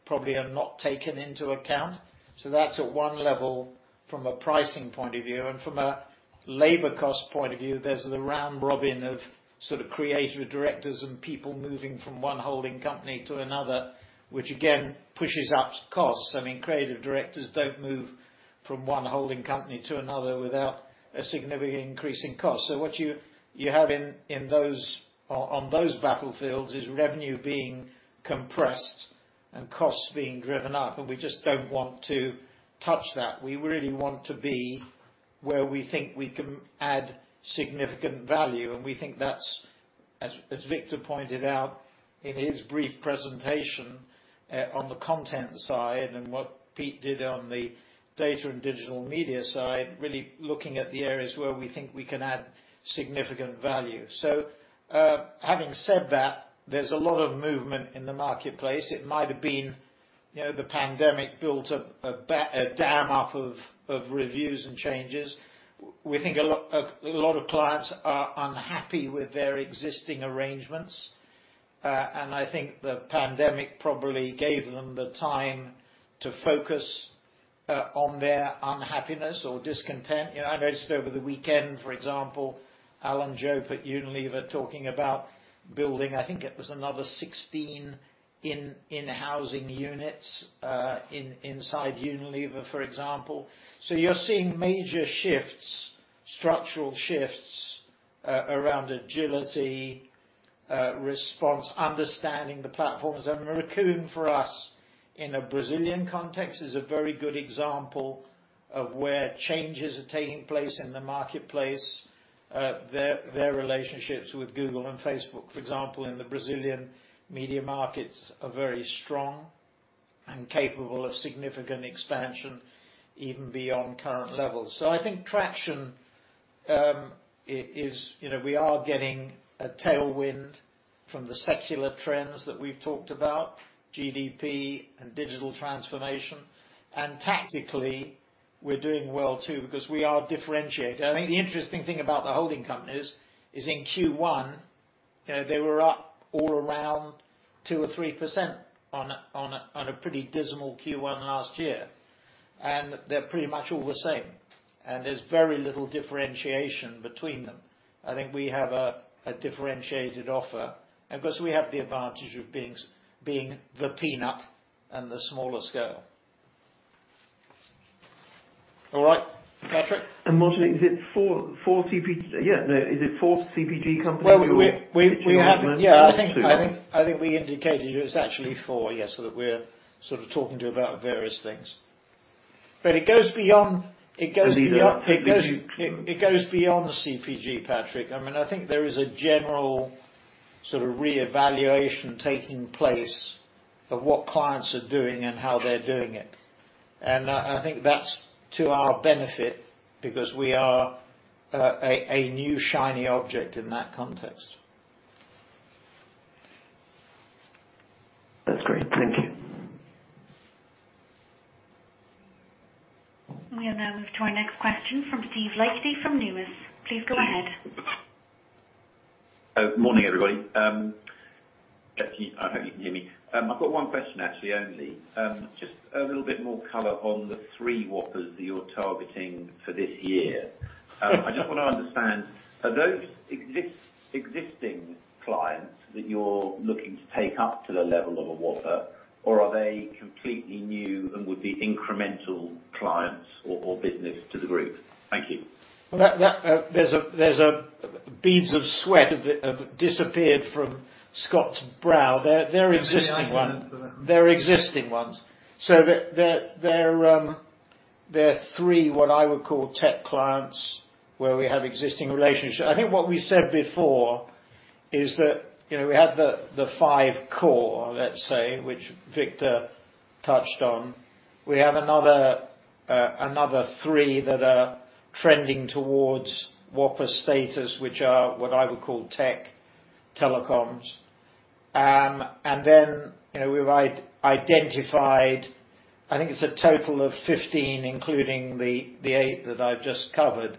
probably are not taken into account. That's at one level from a pricing point of view. From a labor cost point of view, there's the round robin of sort of creative directors and people moving from one holding company to another, which again, pushes up costs. Creative directors don't move from one holding company to another without a significant increase in cost. What you have on those battlefields is revenue being compressed and costs being driven up, and we just don't want to touch that. We really want to be where we think we can add significant value, and we think that's, as Victor pointed out in his brief presentation on the content side and what Pete did on the Data & Digital Media side, really looking at the areas where we think we can add significant value. Having said that, there's a lot of movement in the marketplace. It might have been the pandemic built a dam up of reviews and changes. We think a lot of clients are unhappy with their existing arrangements, and I think the pandemic probably gave them the time to focus on their unhappiness or discontent. I noticed over the weekend, for example, Alan Jope at Unilever, talking about building, I think it was another 16 in-housing units inside Unilever, for example. You're seeing major shifts, structural shifts, around agility, response, understanding the platforms. Raccoon, for us, in a Brazilian context, is a very good example of where changes are taking place in the marketplace. Their relationships with Google and Facebook, for example, in the Brazilian media markets, are very strong and capable of significant expansion even beyond current levels. I think traction is we are getting a tailwind from the secular trends that we've talked about, GDP and digital transformation. Tactically, we're doing well, too, because we are differentiated. I think the interesting thing about the holding companies is in Q1, they were up all around 2% or 3% on a pretty dismal Q1 last year. They're pretty much all the same. There's very little differentiation between them. I think we have a differentiated offer, and plus we have the advantage of being the peanut and the smaller scale. All right. Patrick? Martin, is it four CPG companies or? Well, we have- Two. Yeah, I think we indicated it was actually four, yeah. That we're sort of talking to about various things. Peter- It goes beyond the CPG, Patrick. I think there is a general sort of reevaluation taking place of what clients are doing and how they're doing it. I think that's to our benefit because we are a new shiny object in that context. That's great. Thank you. We'll now move to our next question from Steve Liechti from Numis. Please go ahead. Morning, everybody. Yes, I hope you can hear me. I've got one question actually, only. Just a little bit more color on the three Whoppers that you're targeting for this year. I just want to understand, are those existing clients that you're looking to take up to the level of a Whopper, or are they completely new and would-be incremental clients or business to the group? Thank you. There's beads of sweat have disappeared from Scott's brow. They're existing ones. Absolutely, I understand. They're existing ones. They're three, what I would call tech clients, where we have existing relationships. I think what we said before is that we have the five core, let's say, which Victor touched on. We have another three that are trending towards Whopper status, which are what I would call tech telecoms. We've identified, I think it's a total of 15, including the eight that I've just covered,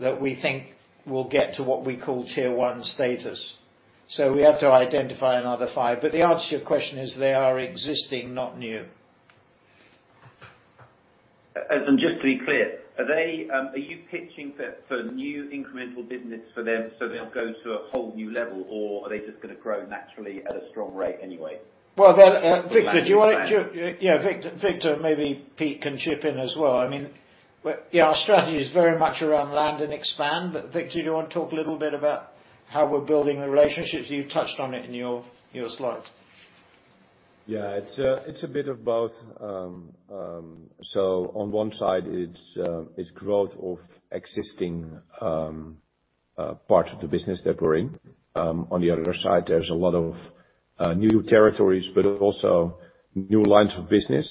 that we think will get to what we call tier 1 status. We have to identify another five. The answer to your question is they are existing, not new. Just to be clear, are you pitching for new incremental business for them so they'll go to a whole new level, or are they just going to grow naturally at a strong rate anyway? Well, Victor, do you want to maybe Pete can chip in as well. Our strategy is very much around land and expand. Victor, do you want to talk a little bit about how we're building the relationships? You touched on it in your slides. It's a bit of both. On one side, it's growth of existing parts of the business that we're in. On the other side, there's a lot of new territories, but also new lines of business.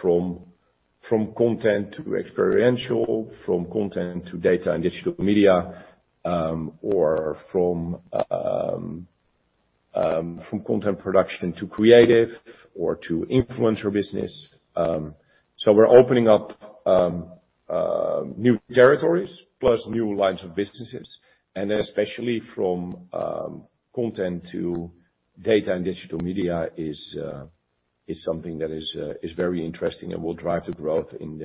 From content to experiential, from content to Data & Digital Media, or from content production to creative or to influencer business. We're opening up new territories plus new lines of businesses, and especially from content to Data & Digital Media is something that is very interesting and will drive the growth in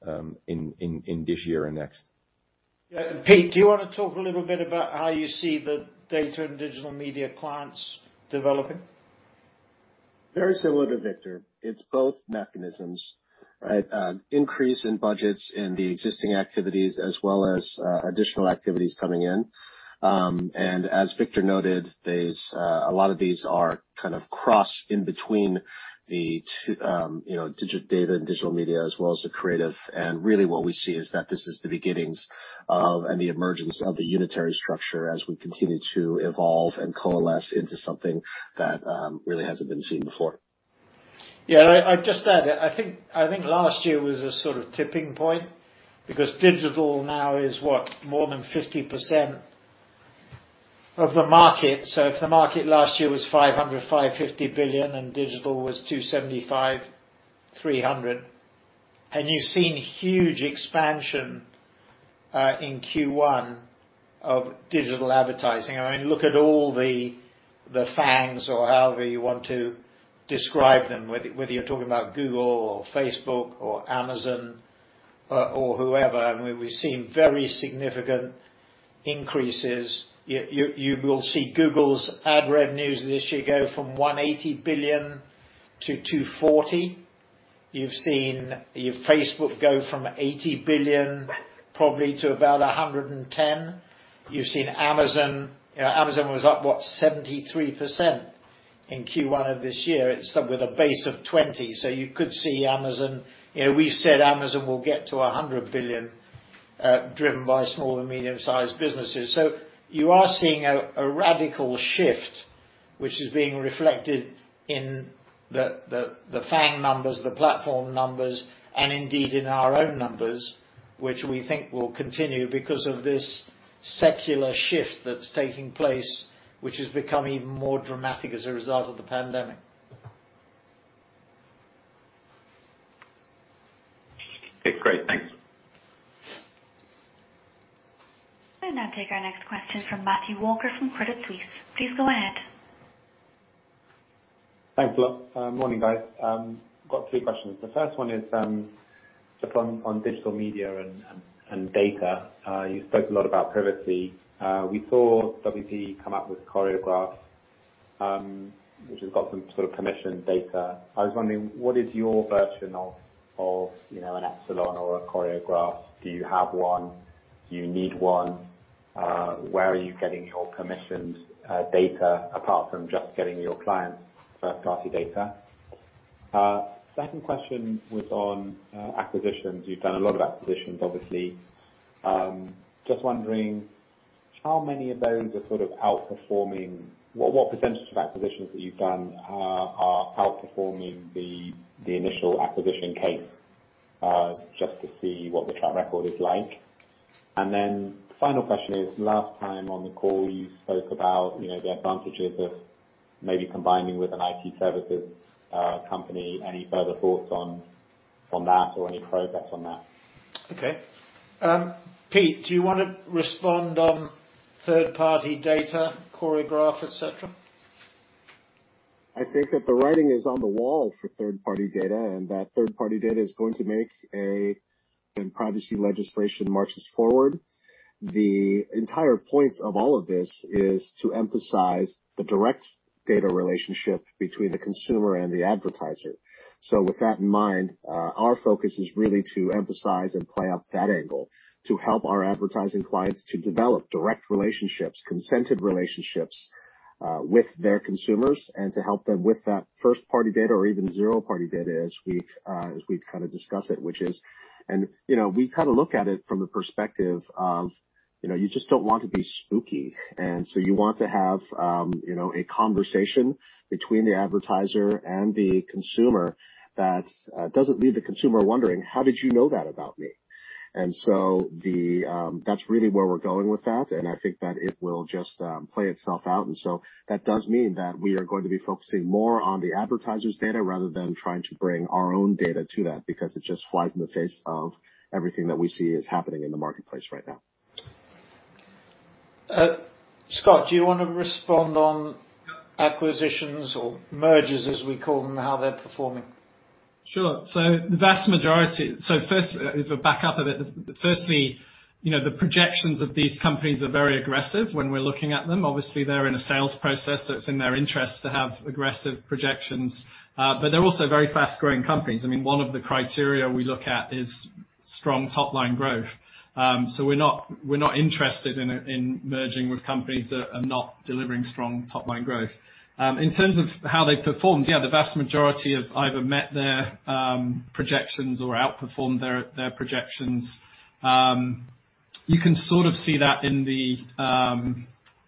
this year and next. Yeah. Pete, do you want to talk a little bit about how you see the Data & Digital Media clients developing? Very similar to Victor. It's both mechanisms, right? Increase in budgets in the existing activities as well as additional activities coming in. As Victor noted, a lot of these are kind of cross in between the Data & Digital Media as well as the creative, and really what we see is that this is the beginnings and the emergence of the unitary structure as we continue to evolve and coalesce into something that really hasn't been seen before. Yeah. I'd just add, I think last year was a sort of tipping point because digital now is what? More than 50% of the market. If the market last year was $500 billion, $550 billion and digital was $275 billion, $300 billion, you've seen huge expansion in Q1 of digital advertising. I mean, look at all the FANGs or however you want to describe them, whether you're talking about Google or Facebook or Amazon or whoever, we've seen very significant increases. You will see Google's ad revenues this year go from $180 billion-$240 billion. You've seen Facebook go from $80 billion probably to about $110 billion. You've seen Amazon was up, what? 73% in Q1 of this year. It's up with a base of $20 billion. You could see Amazon. We said Amazon will get to $100 billion, driven by small and medium-sized businesses. You are seeing a radical shift, which is being reflected in the FANG numbers, the platform numbers, and indeed in our own numbers, which we think will continue because of this secular shift that's taking place, which has become even more dramatic as a result of the pandemic. Great. Thanks. I'll now take our next question from Matthew Walker from Credit Suisse. Please go ahead. Thanks a lot. Morning, guys. I have three questions. The 1st one is just on digital media and data. You spoke a lot about privacy. We saw WPP come out with Choreograph, which has got some sort of consented data. I was wondering, what is your version of an Epsilon or a Choreograph? Do you have one? Do you need one? Where are you getting your commissioned data apart from just getting your clients' first-party data? Second question was on acquisitions. You've done a lot of acquisitions, obviously. I was just wondering how many of those are sort of outperforming, what percent of acquisitions that you've done are outperforming the initial acquisition case? Just to see what the track record is like. Final question is, last time on the call, you spoke about the advantages of maybe combining with an IT services company. Any further thoughts on that or any progress on that? Okay. Pete, do you want to respond on third-party data, Choreograph, et cetera? I think that the writing is on the wall for third-party data and that third-party data is going to make a, when privacy legislation marches forward. The entire point of all of this is to emphasize the direct data relationship between the consumer and the advertiser. With that in mind, our focus is really to emphasize and play up that angle to help our advertising clients to develop direct relationships, consented relationships, with their consumers and to help them with that first-party data or even zero-party data as we've kind of discussed it. We look at it from the perspective of, you just don't want to be spooky. You want to have a conversation between the advertiser and the consumer that doesn't leave the consumer wondering, "How did you know that about me?" That's really where we're going with that, and I think that it will just play itself out. That does mean that we are going to be focusing more on the advertiser's data rather than trying to bring our own data to that, because it just flies in the face of everything that we see is happening in the marketplace right now. Scott, do you want to respond on acquisitions or mergers, as we call them, how they're performing? Sure. 1st, if I back up a bit, firstly, the projections of these companies are very aggressive when we're looking at them. Obviously, they're in a sales process, so it's in their interest to have aggressive projections. They're also very fast-growing companies. One of the criteria we look at is strong top-line growth. We're not interested in merging with companies that are not delivering strong top-line growth. In terms of how they performed, yeah, the vast majority have either met their projections or outperformed their projections. You can sort of see that in the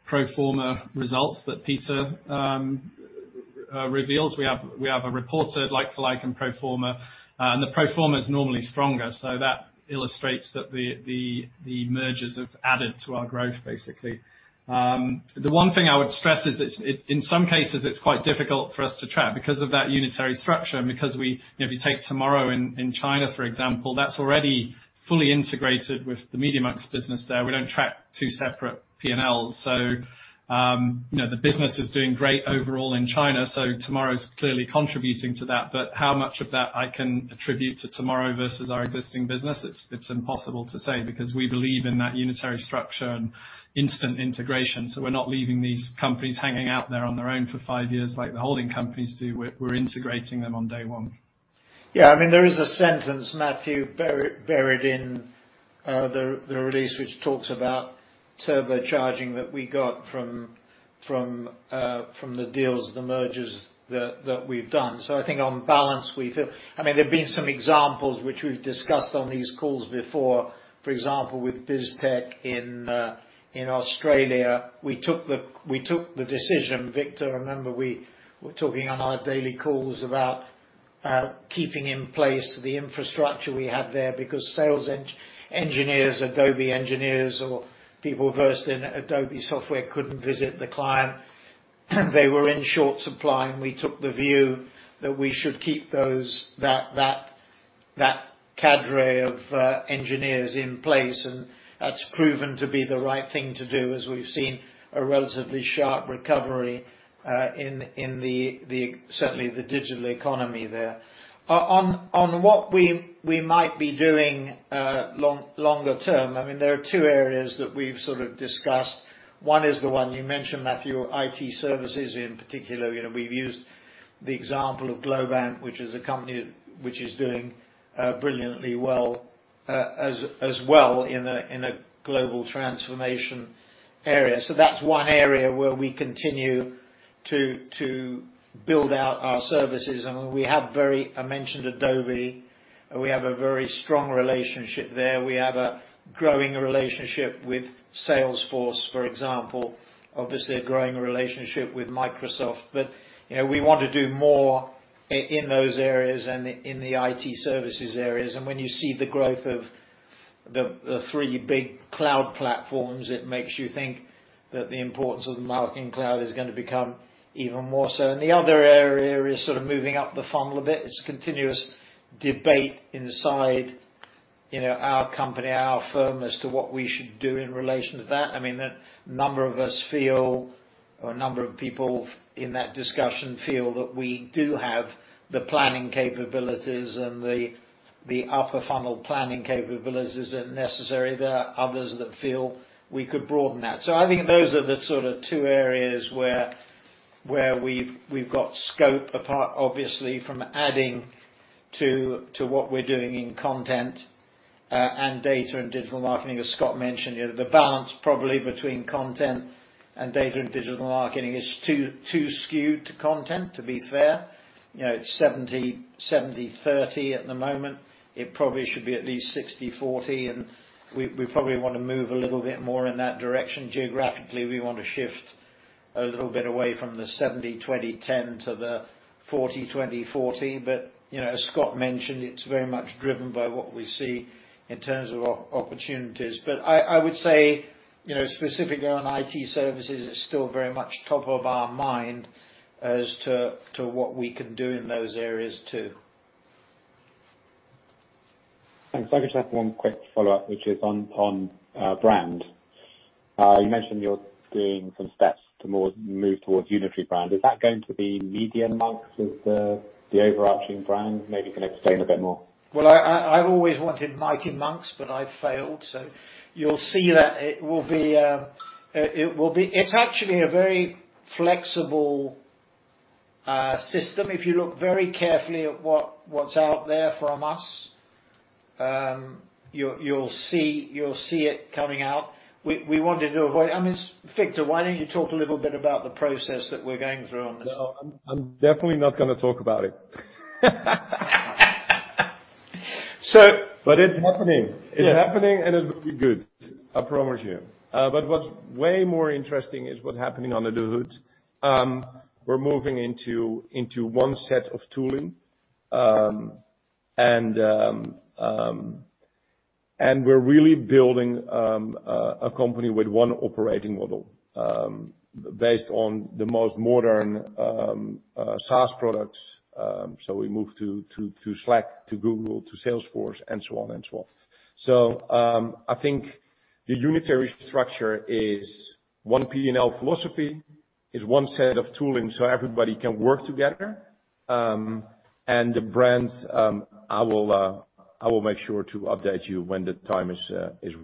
pro forma results that Peter reveals. We have a reported like-for-like and pro forma. The pro forma is normally stronger, so that illustrates that the mergers have added to our growth, basically. The one thing I would stress is, in some cases, it's quite difficult for us to track because of that unitary structure and because if you take Tomorrow in China, for example, that's already fully integrated with the Media.Monks business there. We don't track two separate P&Ls. The business is doing great overall in China, so Tomorrow's clearly contributing to that. How much of that I can attribute to Tomorrow versus our existing business, it's impossible to say because we believe in that unitary structure and instant integration. We're not leaving these companies hanging out there on their own for five years like the holding companies do. We're integrating them on day one. Yeah. There is a sentence, Matthew, buried in the release which talks about turbocharging that we got from the deals, the mergers that we've done. I think on balance, we feel there have been some examples which we've discussed on these calls before. For example, with BizTech in Australia, we took the decision, Victor, remember we were talking on our daily calls about keeping in place the infrastructure we had there because sales engineers, Adobe engineers, or people versed in Adobe software couldn't visit the client. They were in short supply. We took the view that we should keep that cadre of engineers in place. That's proven to be the right thing to do as we've seen a relatively sharp recovery in certainly the digital economy there. On what we might be doing longer term, there are two areas that we've sort of discussed. One is the one you mentioned, Matthew, IT services in particular. We've used the example of Globant, which is a company which is doing brilliantly well, as well in a global transformation area. That's one area where we continue to build out our services. I mentioned Adobe. We have a very strong relationship there. We have a growing relationship with Salesforce, for example. Obviously, a growing relationship with Microsoft. We want to do more in those areas and in the IT services areas. When you see the growth of the three big cloud platforms, it makes you think that the importance of the marketing cloud is going to become even more so. The other area is sort of moving up the funnel a bit. It's a continuous debate inside our company, our firm, as to what we should do in relation to that. A number of us feel, or a number of people in that discussion feel that we do have the planning capabilities and the upper funnel planning capabilities that are necessary. There are others that feel we could broaden that. I think those are the sort of two areas where we've got scope apart, obviously, from adding to what we're doing in content and Data & Digital Media. As Scott mentioned, the balance probably between content and Data & Digital Media is too skewed to content, to be fair. It's 70/30 at the moment. It probably should be at least 60/40, and we probably want to move a little bit more in that direction. Geographically, we want to shift a little bit away from the 70/20/10 to the 40/20/40. As Scott mentioned, it's very much driven by what we see in terms of opportunities. I would say, specifically on IT services, it's still very much top of our mind as to what we can do in those areas, too. Thanks. I just have one quick follow-up, which is on brand. You mentioned you're doing some steps to move towards unitary brand. Is that going to be Media.Monks as the overarching brand? Maybe you can explain a bit more. I've always wanted Media.Monks, but I've failed. You'll see that it's actually a very flexible system. If you look very carefully at what's out there from us, you'll see it coming out. Victor, why don't you talk a little bit about the process that we're going through on this? No, I'm definitely not going to talk about it. It's happening. Yeah. It's happening. It will be good, I promise you. What's way more interesting is what's happening under the hood. We're moving into one set of tooling, and we're really building a company with one operating model based on the most modern SaaS products. We move to Slack, to Google, to Salesforce, and so on and so on. I think the unitary structure is one P&L philosophy, is one set of tooling so everybody can work together. The brands, I will make sure to update you when the time is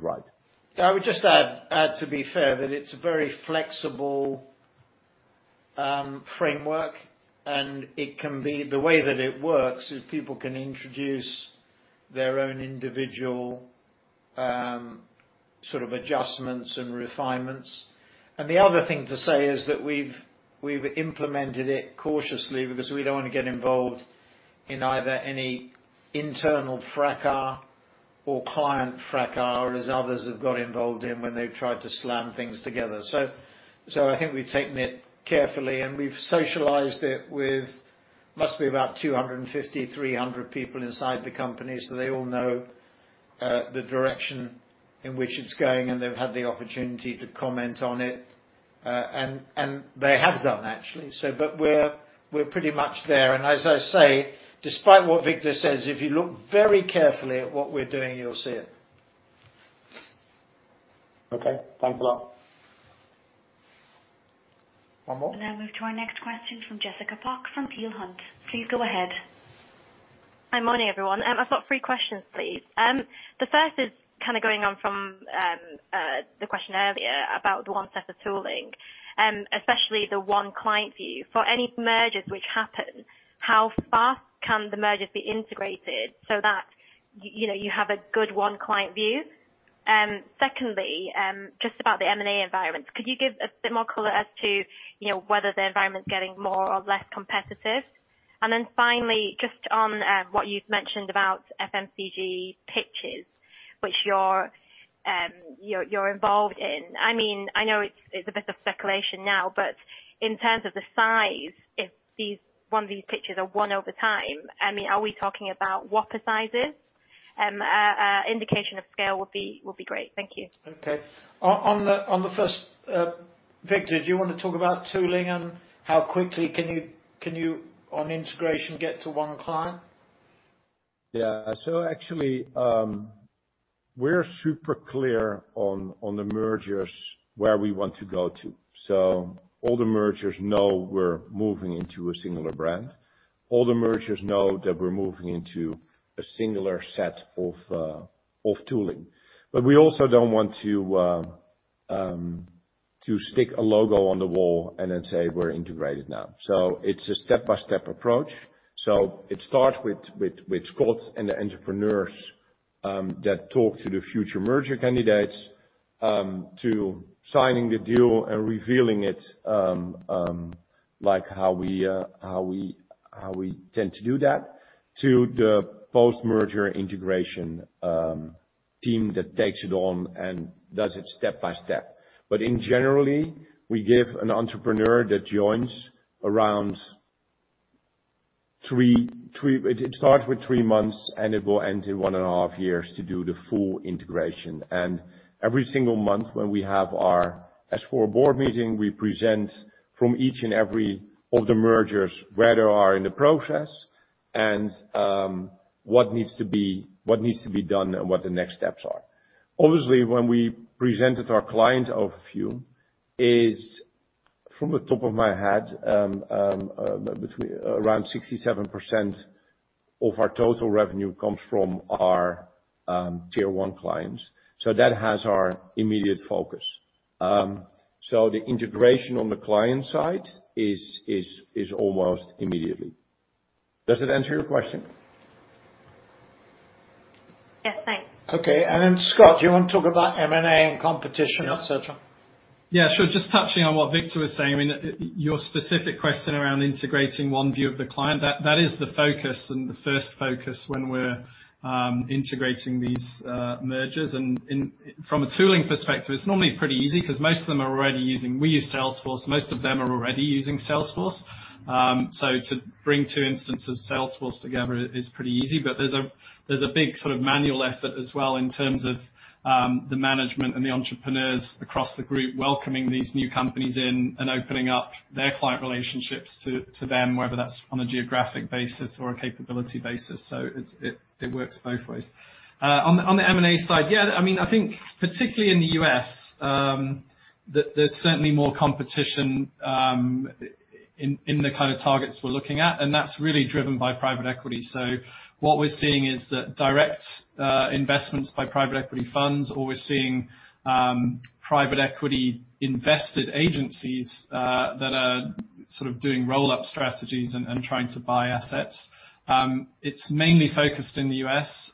right. Yeah. I would just add, to be fair, that it's a very flexible framework, and the way that it works is people can introduce their own individual sort of adjustments and refinements. The other thing to say is that we've implemented it cautiously because we don't want to get involved in either any internal fracas or client fracas, as others have got involved in when they've tried to slam things together. I think we've taken it carefully, and we've socialized it with must be about 250, 300 people inside the company so they all know the direction in which it's going, and they've had the opportunity to comment on it. They have done actually. We're pretty much there. As I say, despite what Victor says, if you look very carefully at what we're doing, you'll see it. Okay. Thanks a lot. One more? Now move to our next question from Jessica Pok, from Peel Hunt. Please go ahead. Hi. Morning, everyone. I've got three questions, please. The 1st is kind of going on from the question earlier about the one set of tooling, especially the one client view. For any mergers which happen, how fast can the mergers be integrated so that you have a good one client view? Secondly, just about the M&A environment. Could you give a bit more color as to whether the environment's getting more or less competitive? Finally, just on what you've mentioned about FMCG pitches, which you're involved in. I know it's a bit of speculation now, but in terms of the size, if one of these pitches are won over time, are we talking about whopper sizes? Indication of scale will be great. Thank you. Okay. On the 1st, Victor, do you want to talk about tooling and how quickly can you, on integration, get to one client? Actually, we're super clear on the mergers where we want to go to. All the mergers know we're moving into a singular brand. All the mergers know that we're moving into a singular set of tooling. We also don't want to stick a logo on the wall and then say we're integrated now. It's a step-by-step approach. It starts with Scott and the entrepreneurs that talk to the future merger candidates, to signing the deal and revealing it, like how we tend to do that, to the post-merger integration team that takes it on and does it step by step. In general, we give an entrepreneur that joins. It starts with three months, and it will end in one and a half years to do the full integration. Every single month when we have our S4 board meeting, we present from each and every of the mergers, where they are in the process and what needs to be done and what the next steps are. Obviously, when we present it to our client of view is, from the top of my head, around 67% of our total revenue comes from our tier 1 clients. That has our immediate focus. The integration on the client side is almost immediately. Does it answer your question? Okay. Then Scott, do you want to talk about M&A and competition, et cetera? Yeah, sure. Just touching on what Victor was saying, your specific question around integrating one view of the client, that is the focus and the first focus when we're integrating these mergers. From a tooling perspective, it's normally pretty easy because most of them are already using Salesforce. Most of them are already using Salesforce. To bring two instances of Salesforce together is pretty easy. There's a big sort of manual effort as well in terms of the management and the entrepreneurs across the group welcoming these new companies in and opening up their client relationships to them, whether that's on a geographic basis or a capability basis. It works both ways. On the M&A side, yeah, I think particularly in the U.S., that there's certainly more competition in the kind of targets we're looking at, and that's really driven by private equity. What we're seeing is that direct investments by private equity funds, or we're seeing private equity invested agencies that are sort of doing roll-up strategies and trying to buy assets. It's mainly focused in the U.S.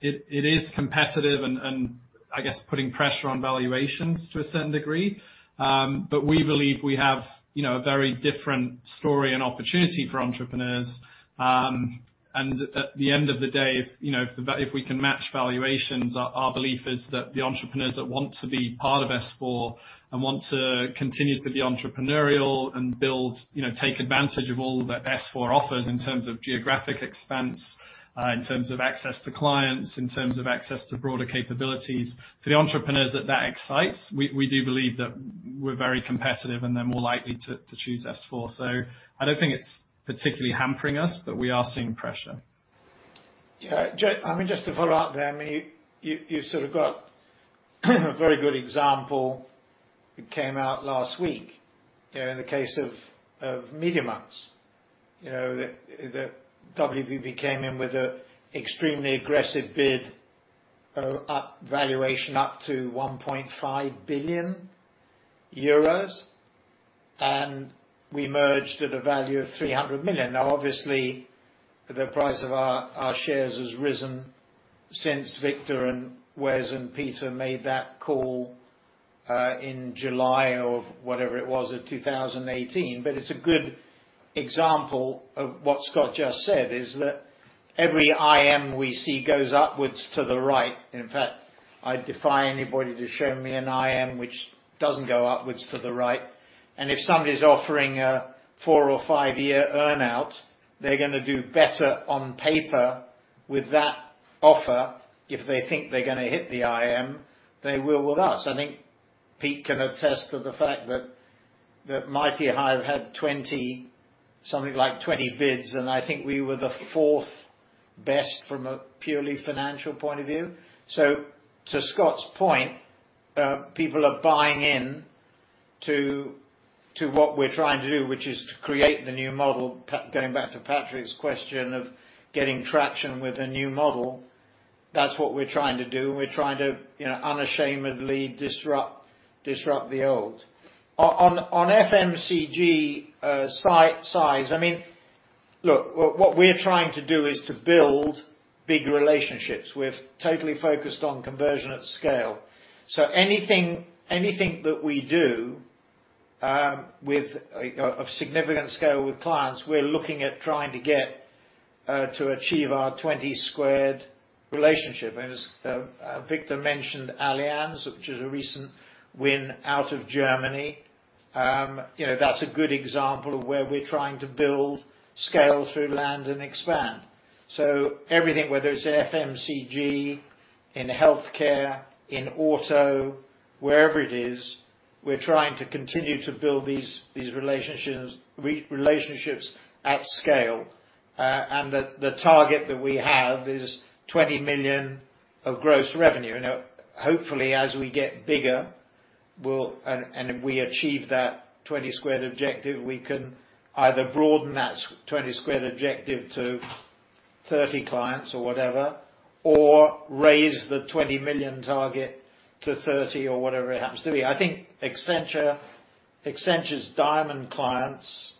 It is competitive and I guess putting pressure on valuations to a certain degree. We believe we have a very different story and opportunity for entrepreneurs. At the end of the day, if we can match valuations, our belief is that the entrepreneurs that want to be part of S4 and want to continue to be entrepreneurial and take advantage of all that S4 offers in terms of geographic expanse, in terms of access to clients, in terms of access to broader capabilities. For the entrepreneurs that excites, we do believe that we're very competitive and they're more likely to choose S4. I don't think it's particularly hampering us, but we are seeing pressure. Just to follow up there, you sort of got a very good example. It came out last week, in the case of Media.Monks, that WPP came in with an extremely aggressive bid valuation up to 1.5 billion euros, and we merged at a value of 300 million. Obviously, the price of our shares has risen since Victor and Wesley and Peter made that call in July of whatever it was of 2018. It's a good example of what Scott just said, is that every IM we see goes upwards to the right. In fact, I defy anybody to show me an IM which doesn't go upwards to the right. If somebody's offering a four or five-year earn-out, they're going to do better on paper with that offer if they think they're going to hit the IM, they will with us. I think Pete can attest to the fact that MightyHive had something like 20 bids. I think we were the fourth best from a purely financial point of view. To Scott's point, people are buying in to what we're trying to do, which is to create the new model. Going back to Patrick's question of getting traction with a new model, that's what we're trying to do. We're trying to unashamedly disrupt the old. On FMCG size, look, what we're trying to do is to build big relationships. We've totally focused on conversion at scale. Anything that we do of significant scale with clients, we're looking at trying to get to achieve our 20 squared relationship. As Victor mentioned Allianz, which is a recent win out of Germany. That's a good example of where we're trying to build scale through land and expand. Everything, whether it's in FMCG, in healthcare, in auto, wherever it is, we're trying to continue to build these relationships at scale. The target that we have is $20 million of gross revenue. Hopefully, as we get bigger and we achieve that 20 squared objective, we can either broaden that 20 squared objective to 30 clients or whatever, or raise the $20 million target to $30 million or whatever it happens to be. I think Accenture's diamond clients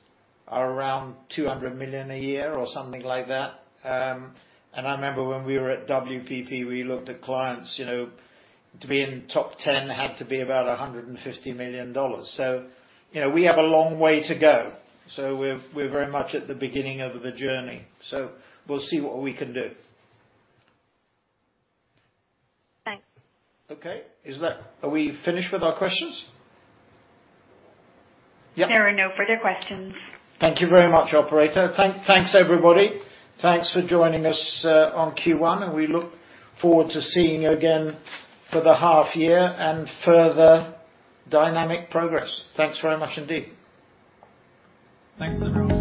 are around $200 million a year or something like that. I remember when we were at WPP, we looked at clients, to be in the top 10 had to be about $150 million. We have a long way to go. We're very much at the beginning of the journey. We'll see what we can do. Thanks. Okay. Are we finished with our questions? Yep. There are no further questions. Thank you very much, operator. Thanks, everybody. Thanks for joining us on Q1, and we look forward to seeing you again for the half year and further dynamic progress. Thanks very much indeed. Thanks, Andrew.